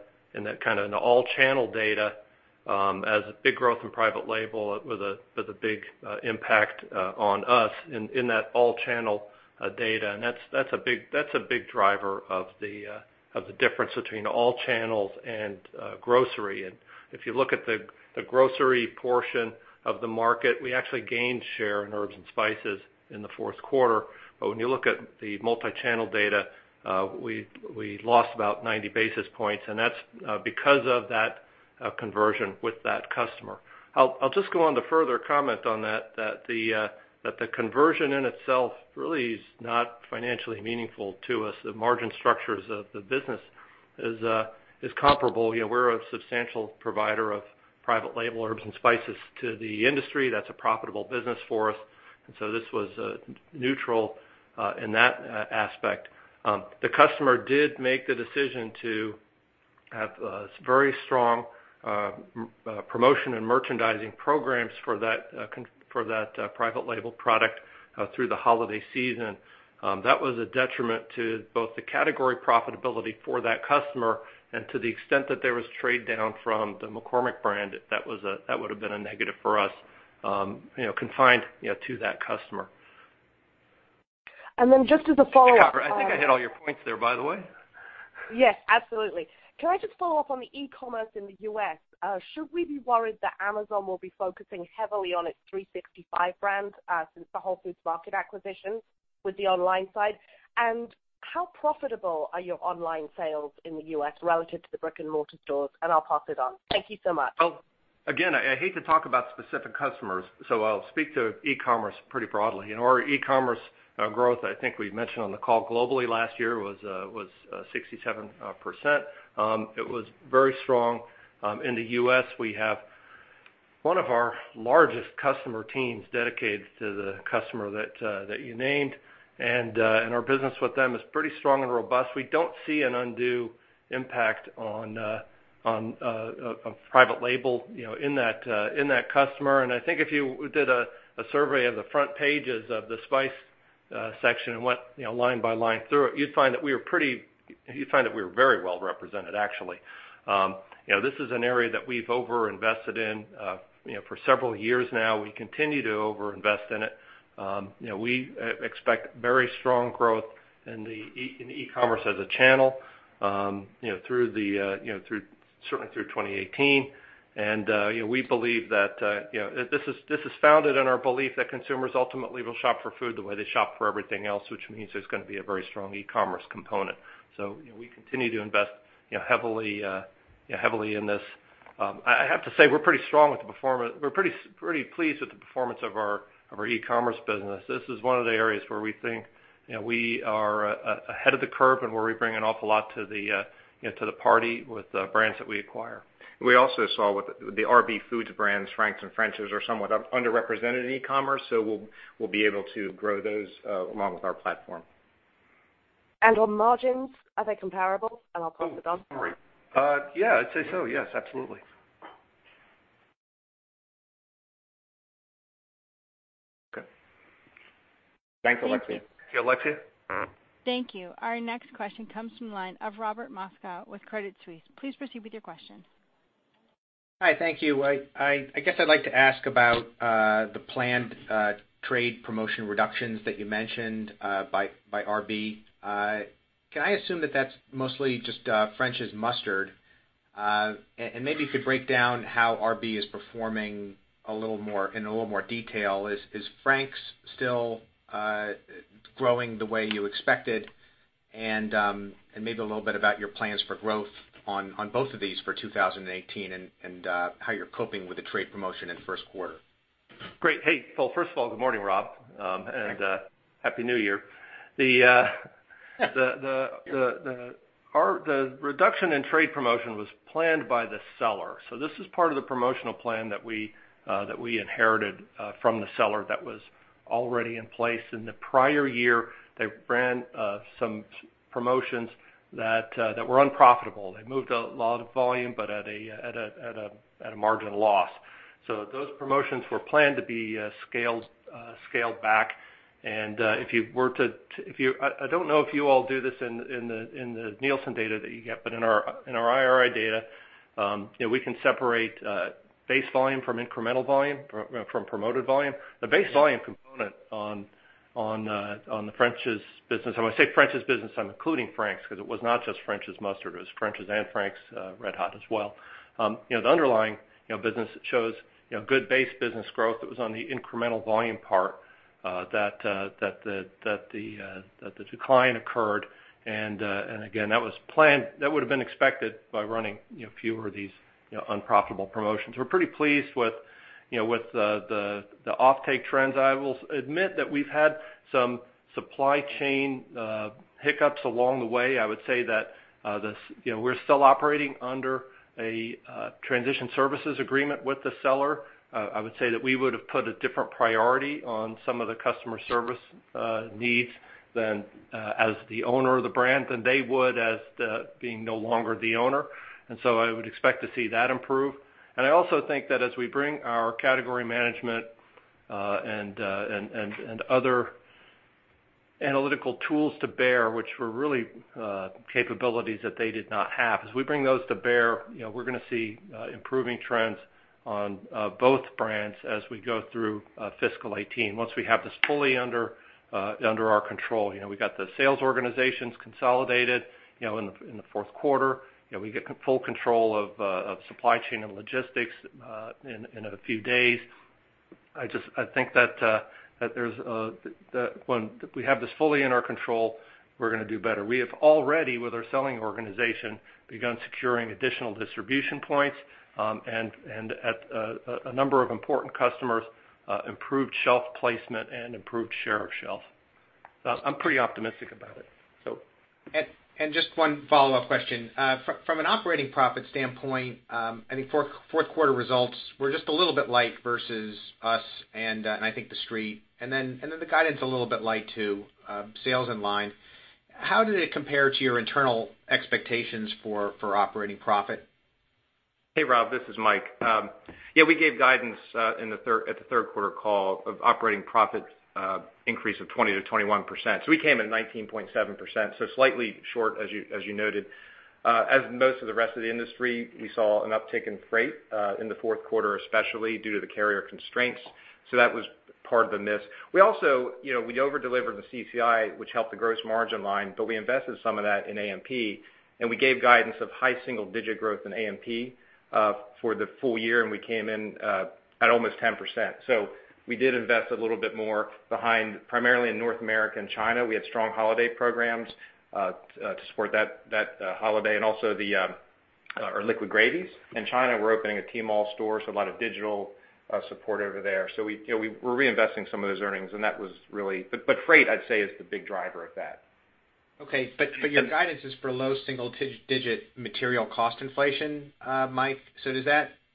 all-channel data as a big growth in private label with a big impact on us in that all-channel data. That's a big driver of the difference between all channels and grocery. If you look at the grocery portion of the market, we actually gained share in herbs and spices in the fourth quarter. When you look at the multi-channel data, we lost about 90 basis points, and that's because of that conversion with that customer. I'll just go on to further comment on that the conversion in itself really is not financially meaningful to us. The margin structures of the business is comparable. We're a substantial provider of private label herbs and spices to the industry. That's a profitable business for us. This was neutral in that aspect. The customer did make the decision to have very strong promotion and merchandising programs for that private label product through the holiday season. That was a detriment to both the category profitability for that customer and to the extent that there was trade down from the McCormick brand, that would've been a negative for us confined to that customer. Just as a follow-up. Catherine, I think I hit all your points there, by the way. Yes, absolutely. Can I just follow up on the e-commerce in the U.S.? Should we be worried that Amazon will be focusing heavily on its 365 brand, since the Whole Foods Market acquisition with the online side? How profitable are your online sales in the U.S. relative to the brick-and-mortar stores? I'll pass it on. Thank you so much. Again, I hate to talk about specific customers, so I'll speak to e-commerce pretty broadly. In our e-commerce growth, I think we mentioned on the call globally last year was 67%. It was very strong. In the U.S., we have one of our largest customer teams dedicated to the customer that you named, and our business with them is pretty strong and robust. We don't see an undue impact on private label in that customer. I think if you did a survey of the front pages of the spice section and went line by line through it, you'd find that we were very well represented, actually. This is an area that we've over-invested in for several years now. We continue to over-invest in it. We expect very strong growth in e-commerce as a channel certainly through 2018. This is founded in our belief that consumers ultimately will shop for food the way they shop for everything else, which means there's going to be a very strong e-commerce component. We continue to invest heavily in this. I have to say, we're pretty pleased with the performance of our e-commerce business. This is one of the areas where we think we are ahead of the curve and where we bring an awful lot to the party with the brands that we acquire. We also saw with the RB Foods brands, Frank's and French's are somewhat underrepresented in e-commerce, so we'll be able to grow those along with our platform. On margins, are they comparable? I'll pass it on. Oh, sorry. Yeah, I'd say so. Yes, absolutely. Okay. Thanks, Alexia. Thank you. Yeah, Alexia? Thank you. Our next question comes from the line of Robert Moskow with Credit Suisse. Please proceed with your question. Hi, thank you. I guess I'd like to ask about the planned trade promotion reductions that you mentioned by RB. Can I assume that that's mostly just French's Mustard? Maybe if you could break down how RB is performing in a little more detail. Is Frank's still growing the way you expected? Maybe a little bit about your plans for growth on both of these for 2018 and how you're coping with the trade promotion in the first quarter. Great. Hey, first of all, good morning, Rob, and Happy New Year. Thanks. The reduction in trade promotion was planned by the seller. This is part of the promotional plan that we inherited from the seller that was already in place. In the prior year, they ran some promotions that were unprofitable. They moved a lot of volume, but at a marginal loss. Those promotions were planned to be scaled back. I don't know if you all do this in the Nielsen data that you get, but in our IRI data, we can separate base volume from incremental volume, from promoted volume. The base volume component on the French's business, and when I say French's business, I'm including Frank's, because it was not just French's Mustard, it was French's and Frank's RedHot as well. The underlying business shows good base business growth. It was on the incremental volume part that the decline occurred. Again, that would've been expected by running fewer of these unprofitable promotions. We're pretty pleased with the offtake trends. I will admit that we've had some supply chain hiccups along the way. I would say that we're still operating under a transition services agreement with the seller. I would say that we would've put a different priority on some of the customer service needs as the owner of the brand than they would as being no longer the owner. I would expect to see that improve. I also think that as we bring our category management and other analytical tools to bear, which were really capabilities that they did not have. As we bring those to bear, we're going to see improving trends on both brands as we go through fiscal 2018. Once we have this fully under our control. We got the sales organizations consolidated in the fourth quarter. We get full control of supply chain and logistics in a few days. I think that when we have this fully in our control, we're going to do better. We have already, with our selling organization, begun securing additional distribution points, and at a number of important customers, improved shelf placement and improved share of shelf. I'm pretty optimistic about it. Just one follow-up question. From an operating profit standpoint, I think fourth quarter results were just a little bit light versus us and, I think, the Street, and then the guidance a little bit light, too. Sales in line. How did it compare to your internal expectations for operating profit? Hey, Rob, this is Mike. Yeah, we gave guidance at the third quarter call of operating profit increase of 20%-21%. We came in 19.7%, slightly short as you noted. As most of the rest of the industry, we saw an uptick in freight, in the fourth quarter especially, due to the carrier constraints. That was part of the miss. We also over-delivered the CCI, which helped the gross margin line, but we invested some of that in AMP, and we gave guidance of high single-digit growth in AMP for the full year, and we came in at almost 10%. We did invest a little bit more behind primarily in North America and China. We had strong holiday programs to support that holiday and also our liquid gravies. In China, we're opening a Tmall store, a lot of digital support over there. We're reinvesting some of those earnings, and freight, I'd say, is the big driver of that. Okay. Your guidance is for low single-digit material cost inflation, Mike,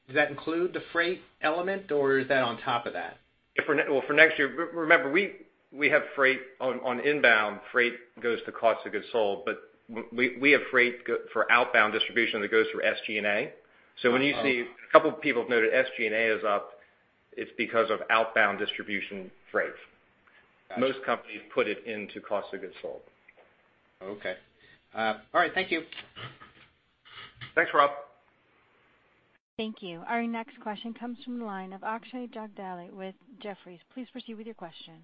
does that include the freight element, or is that on top of that? Well, for next year, remember, we have freight on inbound. Freight goes to cost of goods sold, we have freight for outbound distribution that goes through SG&A. Oh. When you see a couple of people have noted SG&A is up, it's because of outbound distribution freight. Got it. Most companies put it into cost of goods sold. Okay. All right. Thank you. Thanks, Rob. Thank you. Our next question comes from the line of Akshay Jagdale with Jefferies. Please proceed with your question.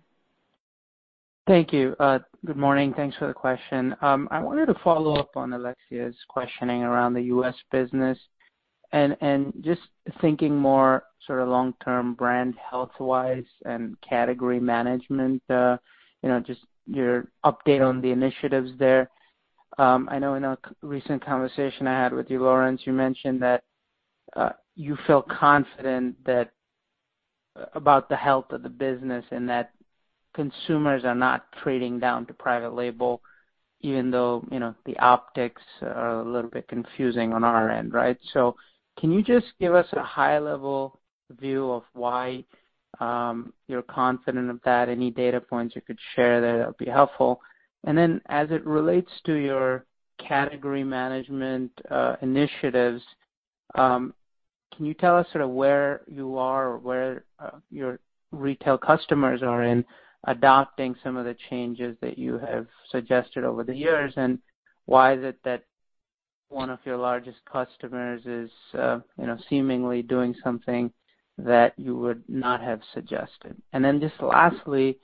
Thank you. Good morning. Thanks for the question. I wanted to follow up on Alexia's questioning around the U.S. business, and just thinking more sort of long-term brand health-wise and category management, just your update on the initiatives there. I know in a recent conversation I had with you, Lawrence, you mentioned that you feel confident about the health of the business and that consumers are not trading down to private label, even though the optics are a little bit confusing on our end, right? Can you just give us a high-level view of why you're confident of that? Any data points you could share there that'll be helpful. As it relates to your category management initiatives, can you tell us sort of where you are or where your retail customers are in adopting some of the changes that you have suggested over the years, and why is it that one of your largest customers is seemingly doing something that you would not have suggested? Just lastly,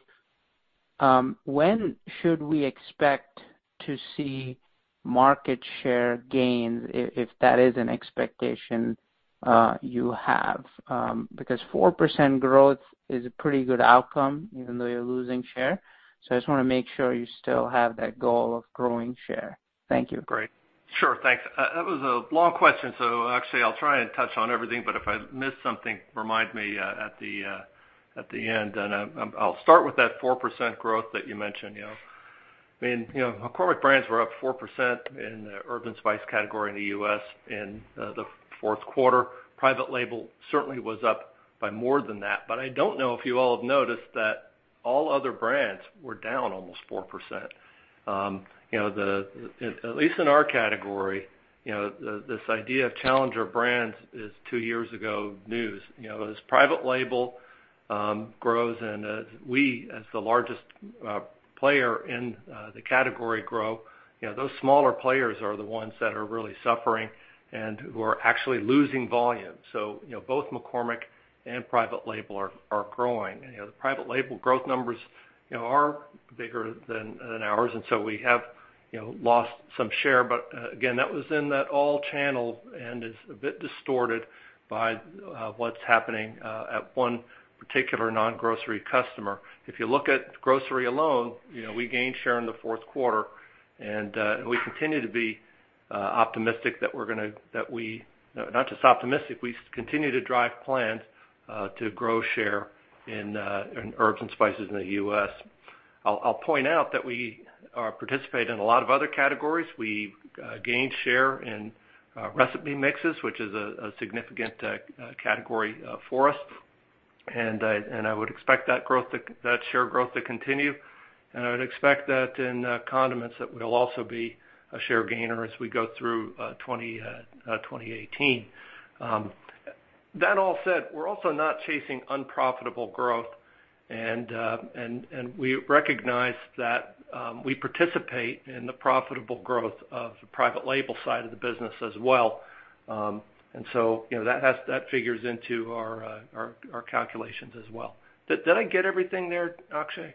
when should we expect to see market share gains, if that is an expectation you have? 4% growth is a pretty good outcome, even though you're losing share. I just want to make sure you still have that goal of growing share. Thank you. Great. Sure. Thanks. That was a long question. Akshay, I'll try and touch on everything, but if I miss something, remind me at the end. I'll start with that 4% growth that you mentioned. McCormick brands were up 4% in the herb and spice category in the U.S. in the fourth quarter. Private label certainly was up by more than that. I don't know if you all have noticed that all other brands were down almost 4%. At least in our category, this idea of challenger brands is two-years-ago news. As private label grows and as we, as the largest player in the category grow, those smaller players are the ones that are really suffering and who are actually losing volume. Both McCormick and private label are growing. The Private label growth numbers are bigger than ours, and so we have lost some share. Again, that was in that all channel and is a bit distorted by what's happening at one particular non-grocery customer. If you look at grocery alone, we gained share in the fourth quarter, and we continue to be optimistic that we continue to drive plans to grow share in herbs and spices in the U.S. I'll point out that we participate in a lot of other categories. We gained share in recipe mixes, which is a significant category for us, and I would expect that share growth to continue, and I would expect that in condiments, that we'll also be a share gainer as we go through 2018. That all said, we're also not chasing unprofitable growth, and we recognize that we participate in the profitable growth of the private label side of the business as well. That figures into our calculations as well. Did I get everything there, Akshay?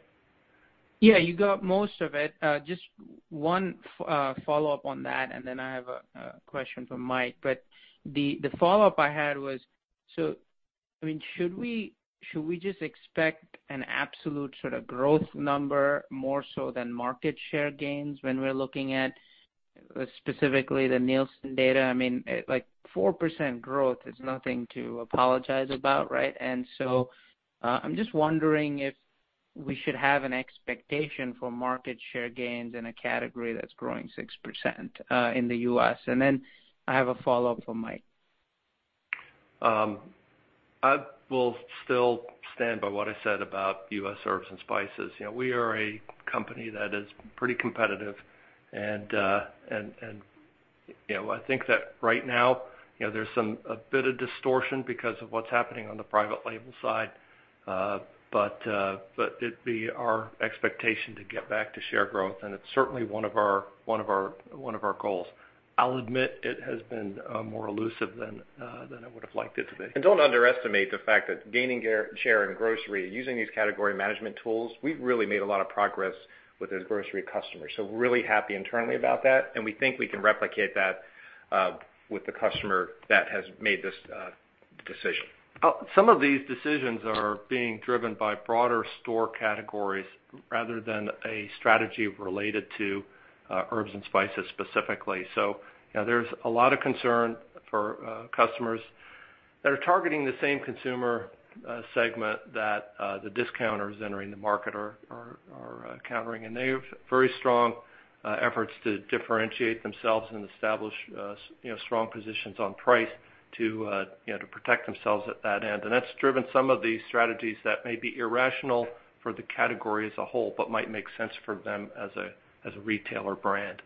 Yeah, you got most of it. Just one follow-up on that, and then I have a question for Mike. The follow-up I had was, should we just expect an absolute sort of growth number, more so than market share gains when we're looking at specifically the Nielsen data? I mean, 4% growth is nothing to apologize about, right? I'm just wondering if we should have an expectation for market share gains in a category that's growing 6% in the U.S. I have a follow-up for Mike. I will still stand by what I said about U.S. herb and spice. We are a company that is pretty competitive, and I think that right now, there's a bit of distortion because of what's happening on the private label side. It'd be our expectation to get back to share growth, and it's certainly one of our goals. I'll admit it has been more elusive than I would've liked it to be. Don't underestimate the fact that gaining share in grocery, using these category management tools, we've really made a lot of progress with those grocery customers. We're really happy internally about that, and we think we can replicate that with the customer that has made this decision. Some of these decisions are being driven by broader store categories rather than a strategy related to herb and spice specifically. There's a lot of concern for customers that are targeting the same consumer segment that the discounters entering the market are countering. They have very strong efforts to differentiate themselves and establish strong positions on price to protect themselves at that end. That's driven some of these strategies that may be irrational for the category as a whole, but might make sense for them as a retailer brand.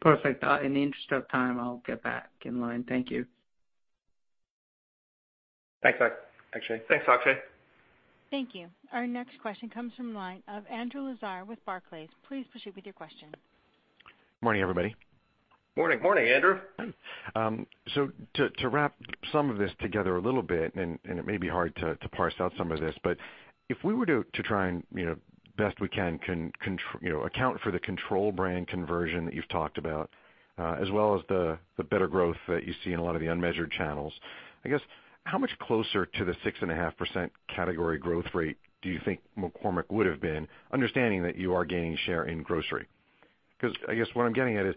Perfect. In the interest of time, I'll get back in line. Thank you. Thanks, Akshay. Thanks, Akshay. Thank you. Our next question comes from the line of Andrew Lazar with Barclays. Please proceed with your question. Morning, everybody. Morning. Morning, Andrew. To wrap some of this together a little bit, it may be hard to parse out some of this, but if we were to try and best we can account for the control brand conversion that you've talked about, as well as the better growth that you see in a lot of the unmeasured channels, I guess how much closer to the 6.5% category growth rate do you think McCormick would've been, understanding that you are gaining share in grocery? I guess what I'm getting at is,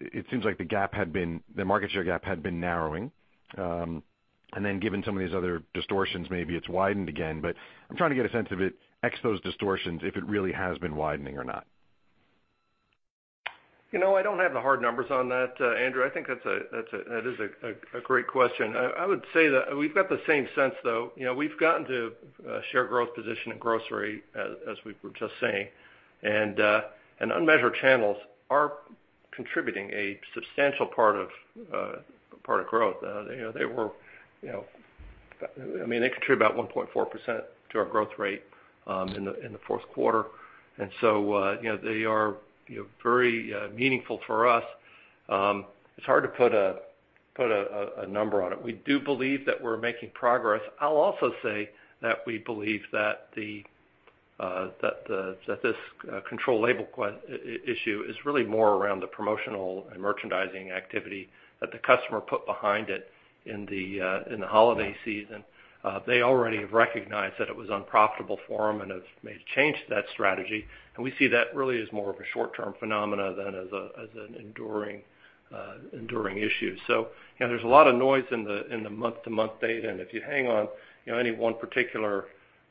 it seems like the market share gap had been narrowing. Then given some of these other distortions, maybe it's widened again, but I'm trying to get a sense of it, ex those distortions, if it really has been widening or not. I don't have the hard numbers on that, Andrew. I think that is a great question. I would say that we've got the same sense, though. We've gotten to a share growth position in grocery, as we were just saying, and unmeasured channels are contributing a substantial part of growth. I mean, they contribute about 1.4% to our growth rate in the fourth quarter. They are very meaningful for us. It's hard to put a number on it. We do believe that we're making progress. I'll also say that we believe that this control label issue is really more around the promotional and merchandising activity that the customer put behind it in the holiday season. They already have recognized that it was unprofitable for them and have made a change to that strategy. We see that really as more of a short-term phenomena than as an enduring issue. There's a lot of noise in the month-to-month data, and if you hang on any one particular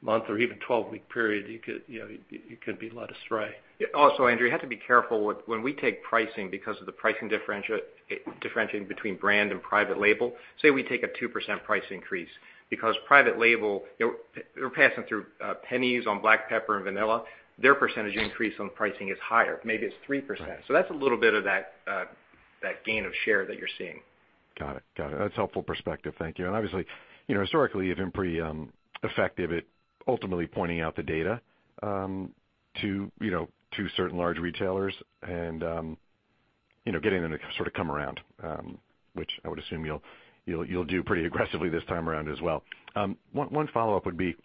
month or even 12-week period, you could be led astray. Andrew, you have to be careful when we take pricing because of the pricing differentiating between brand and private label. Say we take a 2% price increase, because private label, they're passing through pennies on black pepper and vanilla, their percentage increase on pricing is higher. Maybe it's 3%. That's a little bit of that gain of share that you're seeing. Got it. That's a helpful perspective. Thank you. Obviously, historically, you've been pretty effective at ultimately pointing out the data to certain large retailers and getting them to sort of come around, which I would assume you'll do pretty aggressively this time around as well. One follow-up would be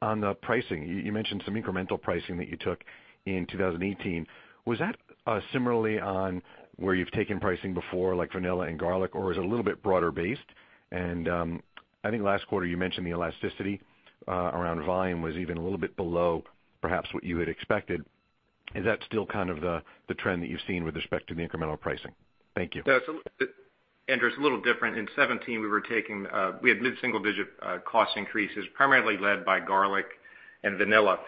on the pricing. You mentioned some incremental pricing that you took in 2018. Was that similarly on where you've taken pricing before, like vanilla and garlic, or is it a little bit broader based? I think last quarter you mentioned the elasticity around volume was even a little bit below perhaps what you had expected. Is that still kind of the trend that you've seen with respect to the incremental pricing? Thank you. Andrew, it's a little different. In 2017, we had mid-single-digit cost increases, primarily led by garlic and vanilla.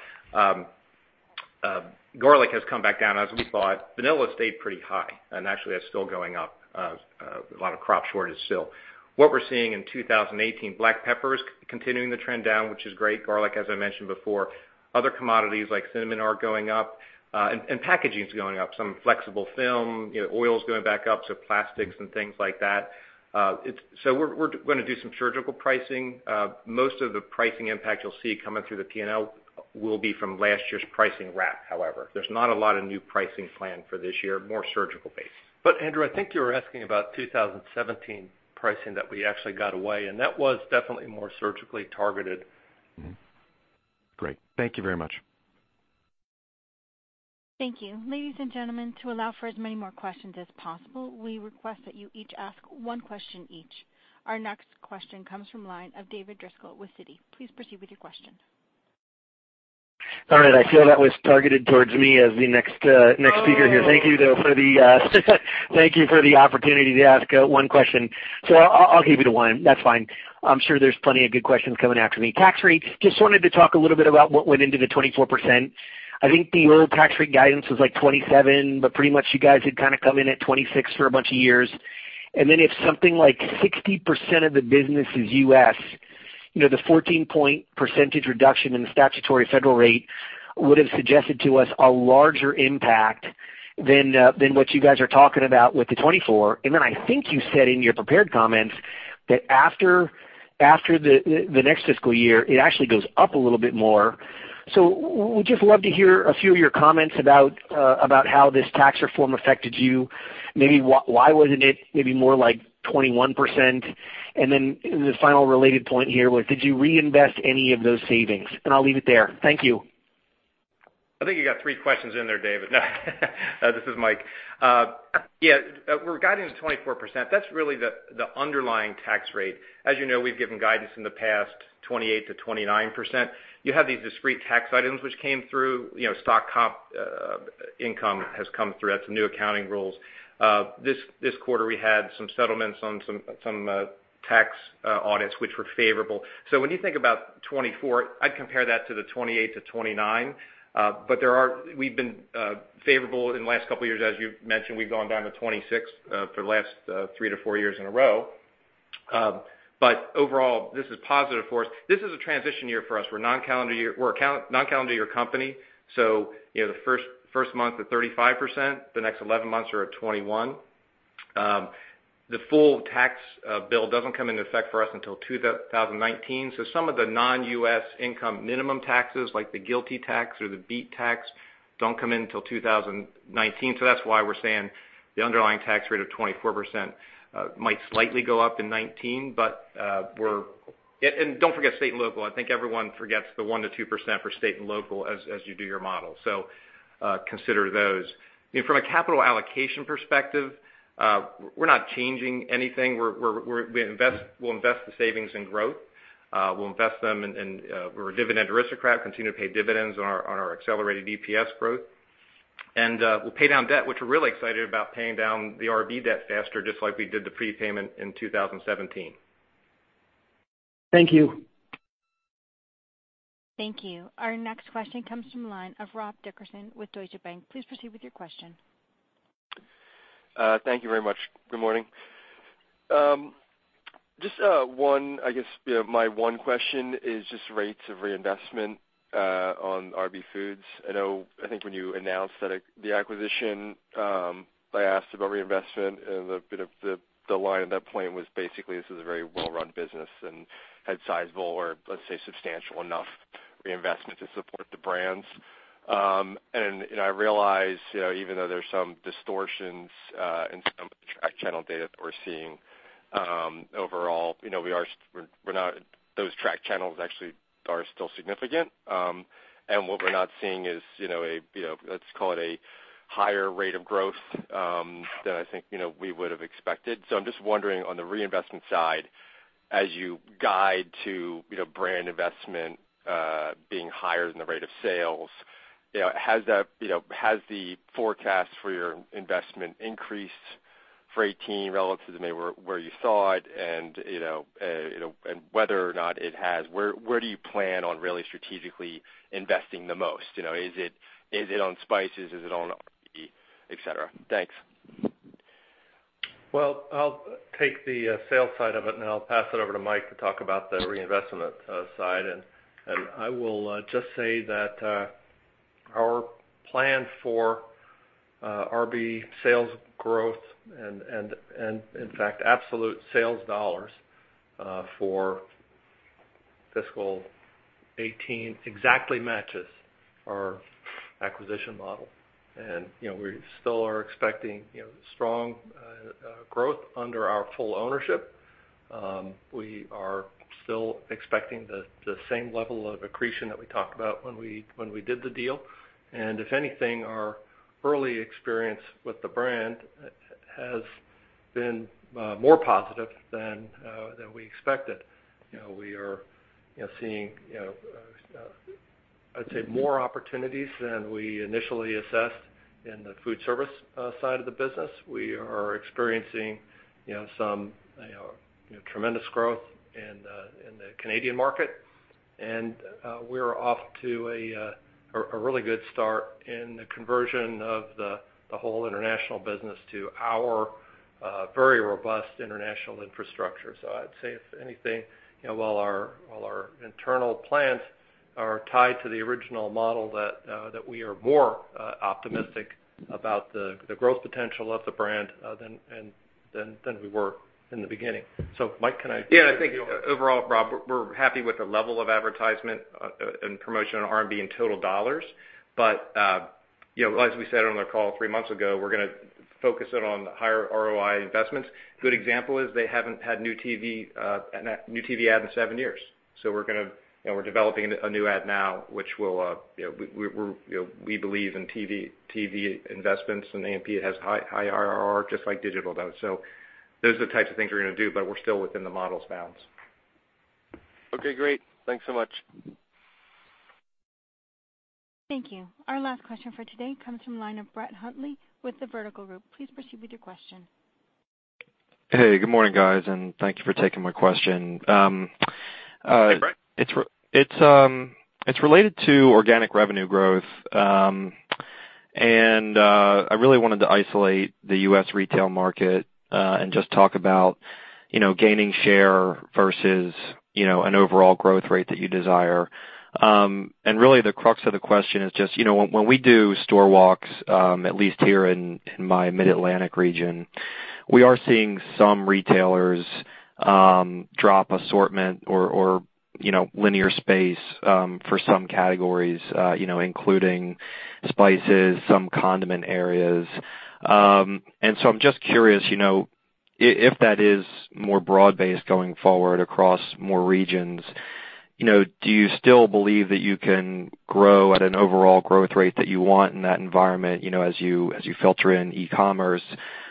Garlic has come back down as we thought. Vanilla stayed pretty high, and actually that's still going up. A lot of crop shortage still. What we're seeing in 2018, black pepper is continuing the trend down, which is great. Garlic, as I mentioned before. Other commodities like cinnamon are going up. Packaging's going up. Some flexible film. Oil's going back up, so plastics and things like that. We're going to do some surgical pricing. Most of the pricing impact you'll see coming through the P&L will be from last year's pricing, [inaudible] however. There's not a lot of new pricing plan for this year, more surgical based. Andrew, I think you were asking about 2017 pricing that we actually got away, and that was definitely more surgically targeted. Great. Thank you very much. Thank you. Ladies and gentlemen, to allow for as many more questions as possible, we request that you each ask one question each. Our next question comes from line of David Driscoll with Citi. Please proceed with your question. I feel that was targeted towards me as the next speaker here. Thank you, though, for the opportunity to ask one question. I'll keep it to one. That's fine. I'm sure there's plenty of good questions coming after me. Tax rate, just wanted to talk a little bit about what went into the 24%. I think the old tax rate guidance was like 27, pretty much you guys had kind of come in at 26 for a bunch of years. If something like 60% of the business is U.S., the 14 percentage reduction in the statutory federal rate would've suggested to us a larger impact than what you guys are talking about with the 24. I think you said in your prepared comments that after the next fiscal year, it actually goes up a little bit more. Would just love to hear a few of your comments about how this tax reform affected you. Maybe why wasn't it maybe more like 21%? The final related point here was, did you reinvest any of those savings? I'll leave it there. Thank you. I think you got 3 questions in there, David. This is Mike. We're guiding to 24%. That's really the underlying tax rate. As you know, we've given guidance in the past 28%-29%. You have these discrete tax items which came through. Stock comp income has come through. That's some new accounting rules. This quarter, we had some settlements on some tax audits, which were favorable. When you think about 24%, I'd compare that to the 28%-29%. We've been favorable in the last couple years, as you've mentioned. We've gone down to 26% for the last 3-4 years in a row. Overall, this is positive for us. This is a transition year for us. We're a non-calendar year company, the first month at 35%, the next 11 months are at 21%. The full tax bill doesn't come into effect for us until 2019, some of the non-U.S. income minimum taxes, like the GILTI tax or the BEAT tax, don't come in until 2019. That's why we're saying the underlying tax rate of 24% might slightly go up in 2019. Don't forget state and local. I think everyone forgets the 1%-2% for state and local as you do your model. Consider those. From a capital allocation perspective, we're not changing anything. We'll invest the savings in growth. We're a dividend aristocrat, continue to pay dividends on our accelerated EPS growth. We'll pay down debt, which we're really excited about paying down the RB debt faster, just like we did the prepayment in 2017. Thank you. Thank you. Our next question comes from line of Rob Dickerson with Deutsche Bank. Please proceed with your question. Thank you very much. Good morning. Just one, I guess my one question is just rates of reinvestment on RB Foods. I think when you announced the acquisition, I asked about reinvestment and a bit of the line at that point was basically this is a very well-run business and had sizable or let's say substantial enough reinvestment to support the brands. I realize, even though there's some distortions in some of the track channel data that we're seeing, overall, those track channels actually are still significant. What we're not seeing is, let's call it a higher rate of growth than I think we would've expected. I'm just wondering on the reinvestment side, as you guide to brand investment being higher than the rate of sales, has the forecast for your investment increased for 2018 relative to maybe where you saw it? Whether or not it has, where do you plan on really strategically investing the most? Is it on spices? Is it on RB, et cetera? Thanks. Well, I'll take the sales side of it and then I'll pass it over to Mike to talk about the reinvestment side. I will just say that our plan for RB sales growth and in fact, absolute sales dollars for fiscal 2018 exactly matches our acquisition model. We still are expecting strong growth under our full ownership. We are still expecting the same level of accretion that we talked about when we did the deal. If anything, our early experience with the brand has been more positive than we expected. We are seeing, I'd say, more opportunities than we initially assessed In the food service side of the business, we are experiencing some tremendous growth in the Canadian market, and we're off to a really good start in the conversion of the whole international business to our very robust international infrastructure. I'd say if anything, while our internal plans are tied to the original model, that we are more optimistic about the growth potential of the brand than we were in the beginning. Mike, can I- Yeah, I think overall, Rob, we're happy with the level of advertisement and promotion on R&D in total dollars. As we said on our call three months ago, we're going to focus it on higher ROI investments. Good example is they haven't had new TV ad in seven years. We're developing a new ad now, which we believe in TV investments, and AMP has high IRR just like digital does. Those are the types of things we're going to do, but we're still within the model's bounds. Okay, great. Thanks so much. Thank you. Our last question for today comes from the line of Brett Hundley with the Vertical Group. Please proceed with your question. Hey, good morning, guys, and thank you for taking my question. Hey, Brett. It's related to organic revenue growth. I really wanted to isolate the U.S. retail market, and just talk about gaining share versus an overall growth rate that you desire. Really the crux of the question is just, when we do store walks, at least here in my mid-Atlantic region, we are seeing some retailers drop assortment or linear space for some categories, including spices, some condiment areas. I'm just curious, if that is more broad based going forward across more regions, do you still believe that you can grow at an overall growth rate that you want in that environment as you filter in e-commerce?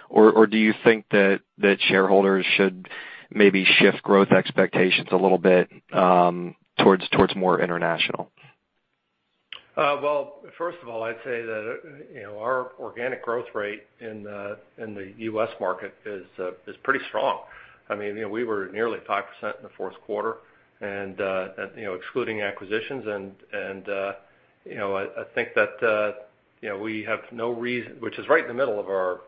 Or do you think that shareholders should maybe shift growth expectations a little bit towards more international? Well, first of all, I'd say that our organic growth rate in the U.S. market is pretty strong. We were nearly 5% in the fourth quarter, excluding acquisitions, which is right in the middle of our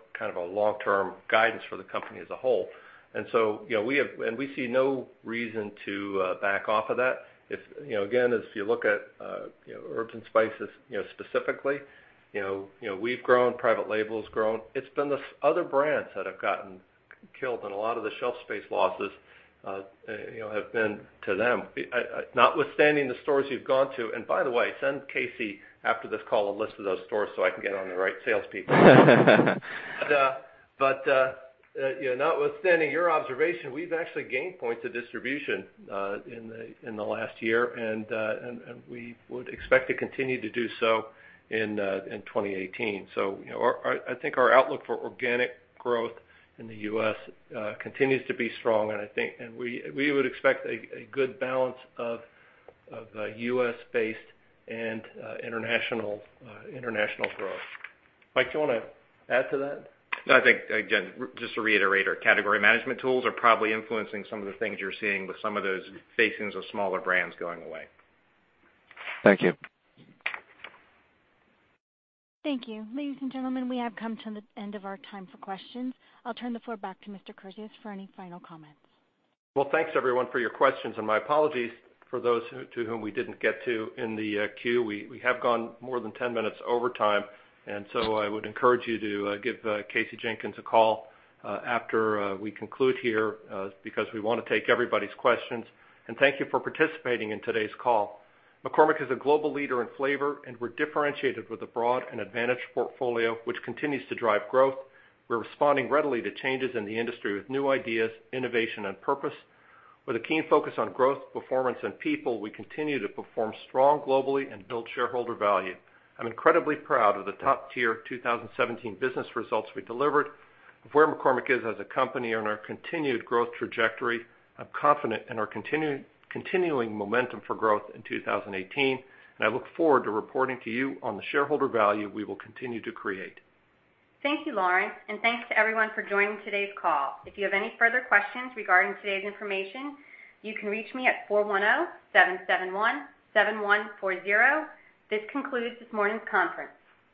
long-term guidance for the company as a whole. We see no reason to back off of that. Again, as you look at herb and spice specifically, we've grown, private label's grown. It's been the other brands that have gotten killed and a lot of the shelf space losses have been to them. Notwithstanding the stores you've gone to, and by the way, send Kasey after this call a list of those stores so I can get on the right salespeople. Notwithstanding your observation, we've actually gained points of distribution in the last year, and we would expect to continue to do so in 2018. I think our outlook for organic growth in the U.S. continues to be strong, and we would expect a good balance of U.S.-based and international growth. Mike, do you want to add to that? No, I think, again, just to reiterate, our category management tools are probably influencing some of the things you're seeing with some of those facings of smaller brands going away. Thank you. Thank you. Ladies and gentlemen, we have come to the end of our time for questions. I'll turn the floor back to Mr. Kurzius for any final comments. Well, thanks everyone for your questions. My apologies for those to whom we didn't get to in the queue. We have gone more than 10 minutes over time, I would encourage you to give Kasey Jenkins a call after we conclude here because we want to take everybody's questions. Thank you for participating in today's call. McCormick is a global leader in flavor, and we're differentiated with a broad and advantaged portfolio, which continues to drive growth. We're responding readily to changes in the industry with new ideas, innovation, and purpose. With a keen focus on growth, performance, and people, we continue to perform strong globally and build shareholder value. I'm incredibly proud of the top-tier 2017 business results we delivered, of where McCormick is as a company on our continued growth trajectory. I'm confident in our continuing momentum for growth in 2018, I look forward to reporting to you on the shareholder value we will continue to create. Thank you, Lawrence, and thanks to everyone for joining today's call. If you have any further questions regarding today's information, you can reach me at 410-771-7140. This concludes this morning's conference.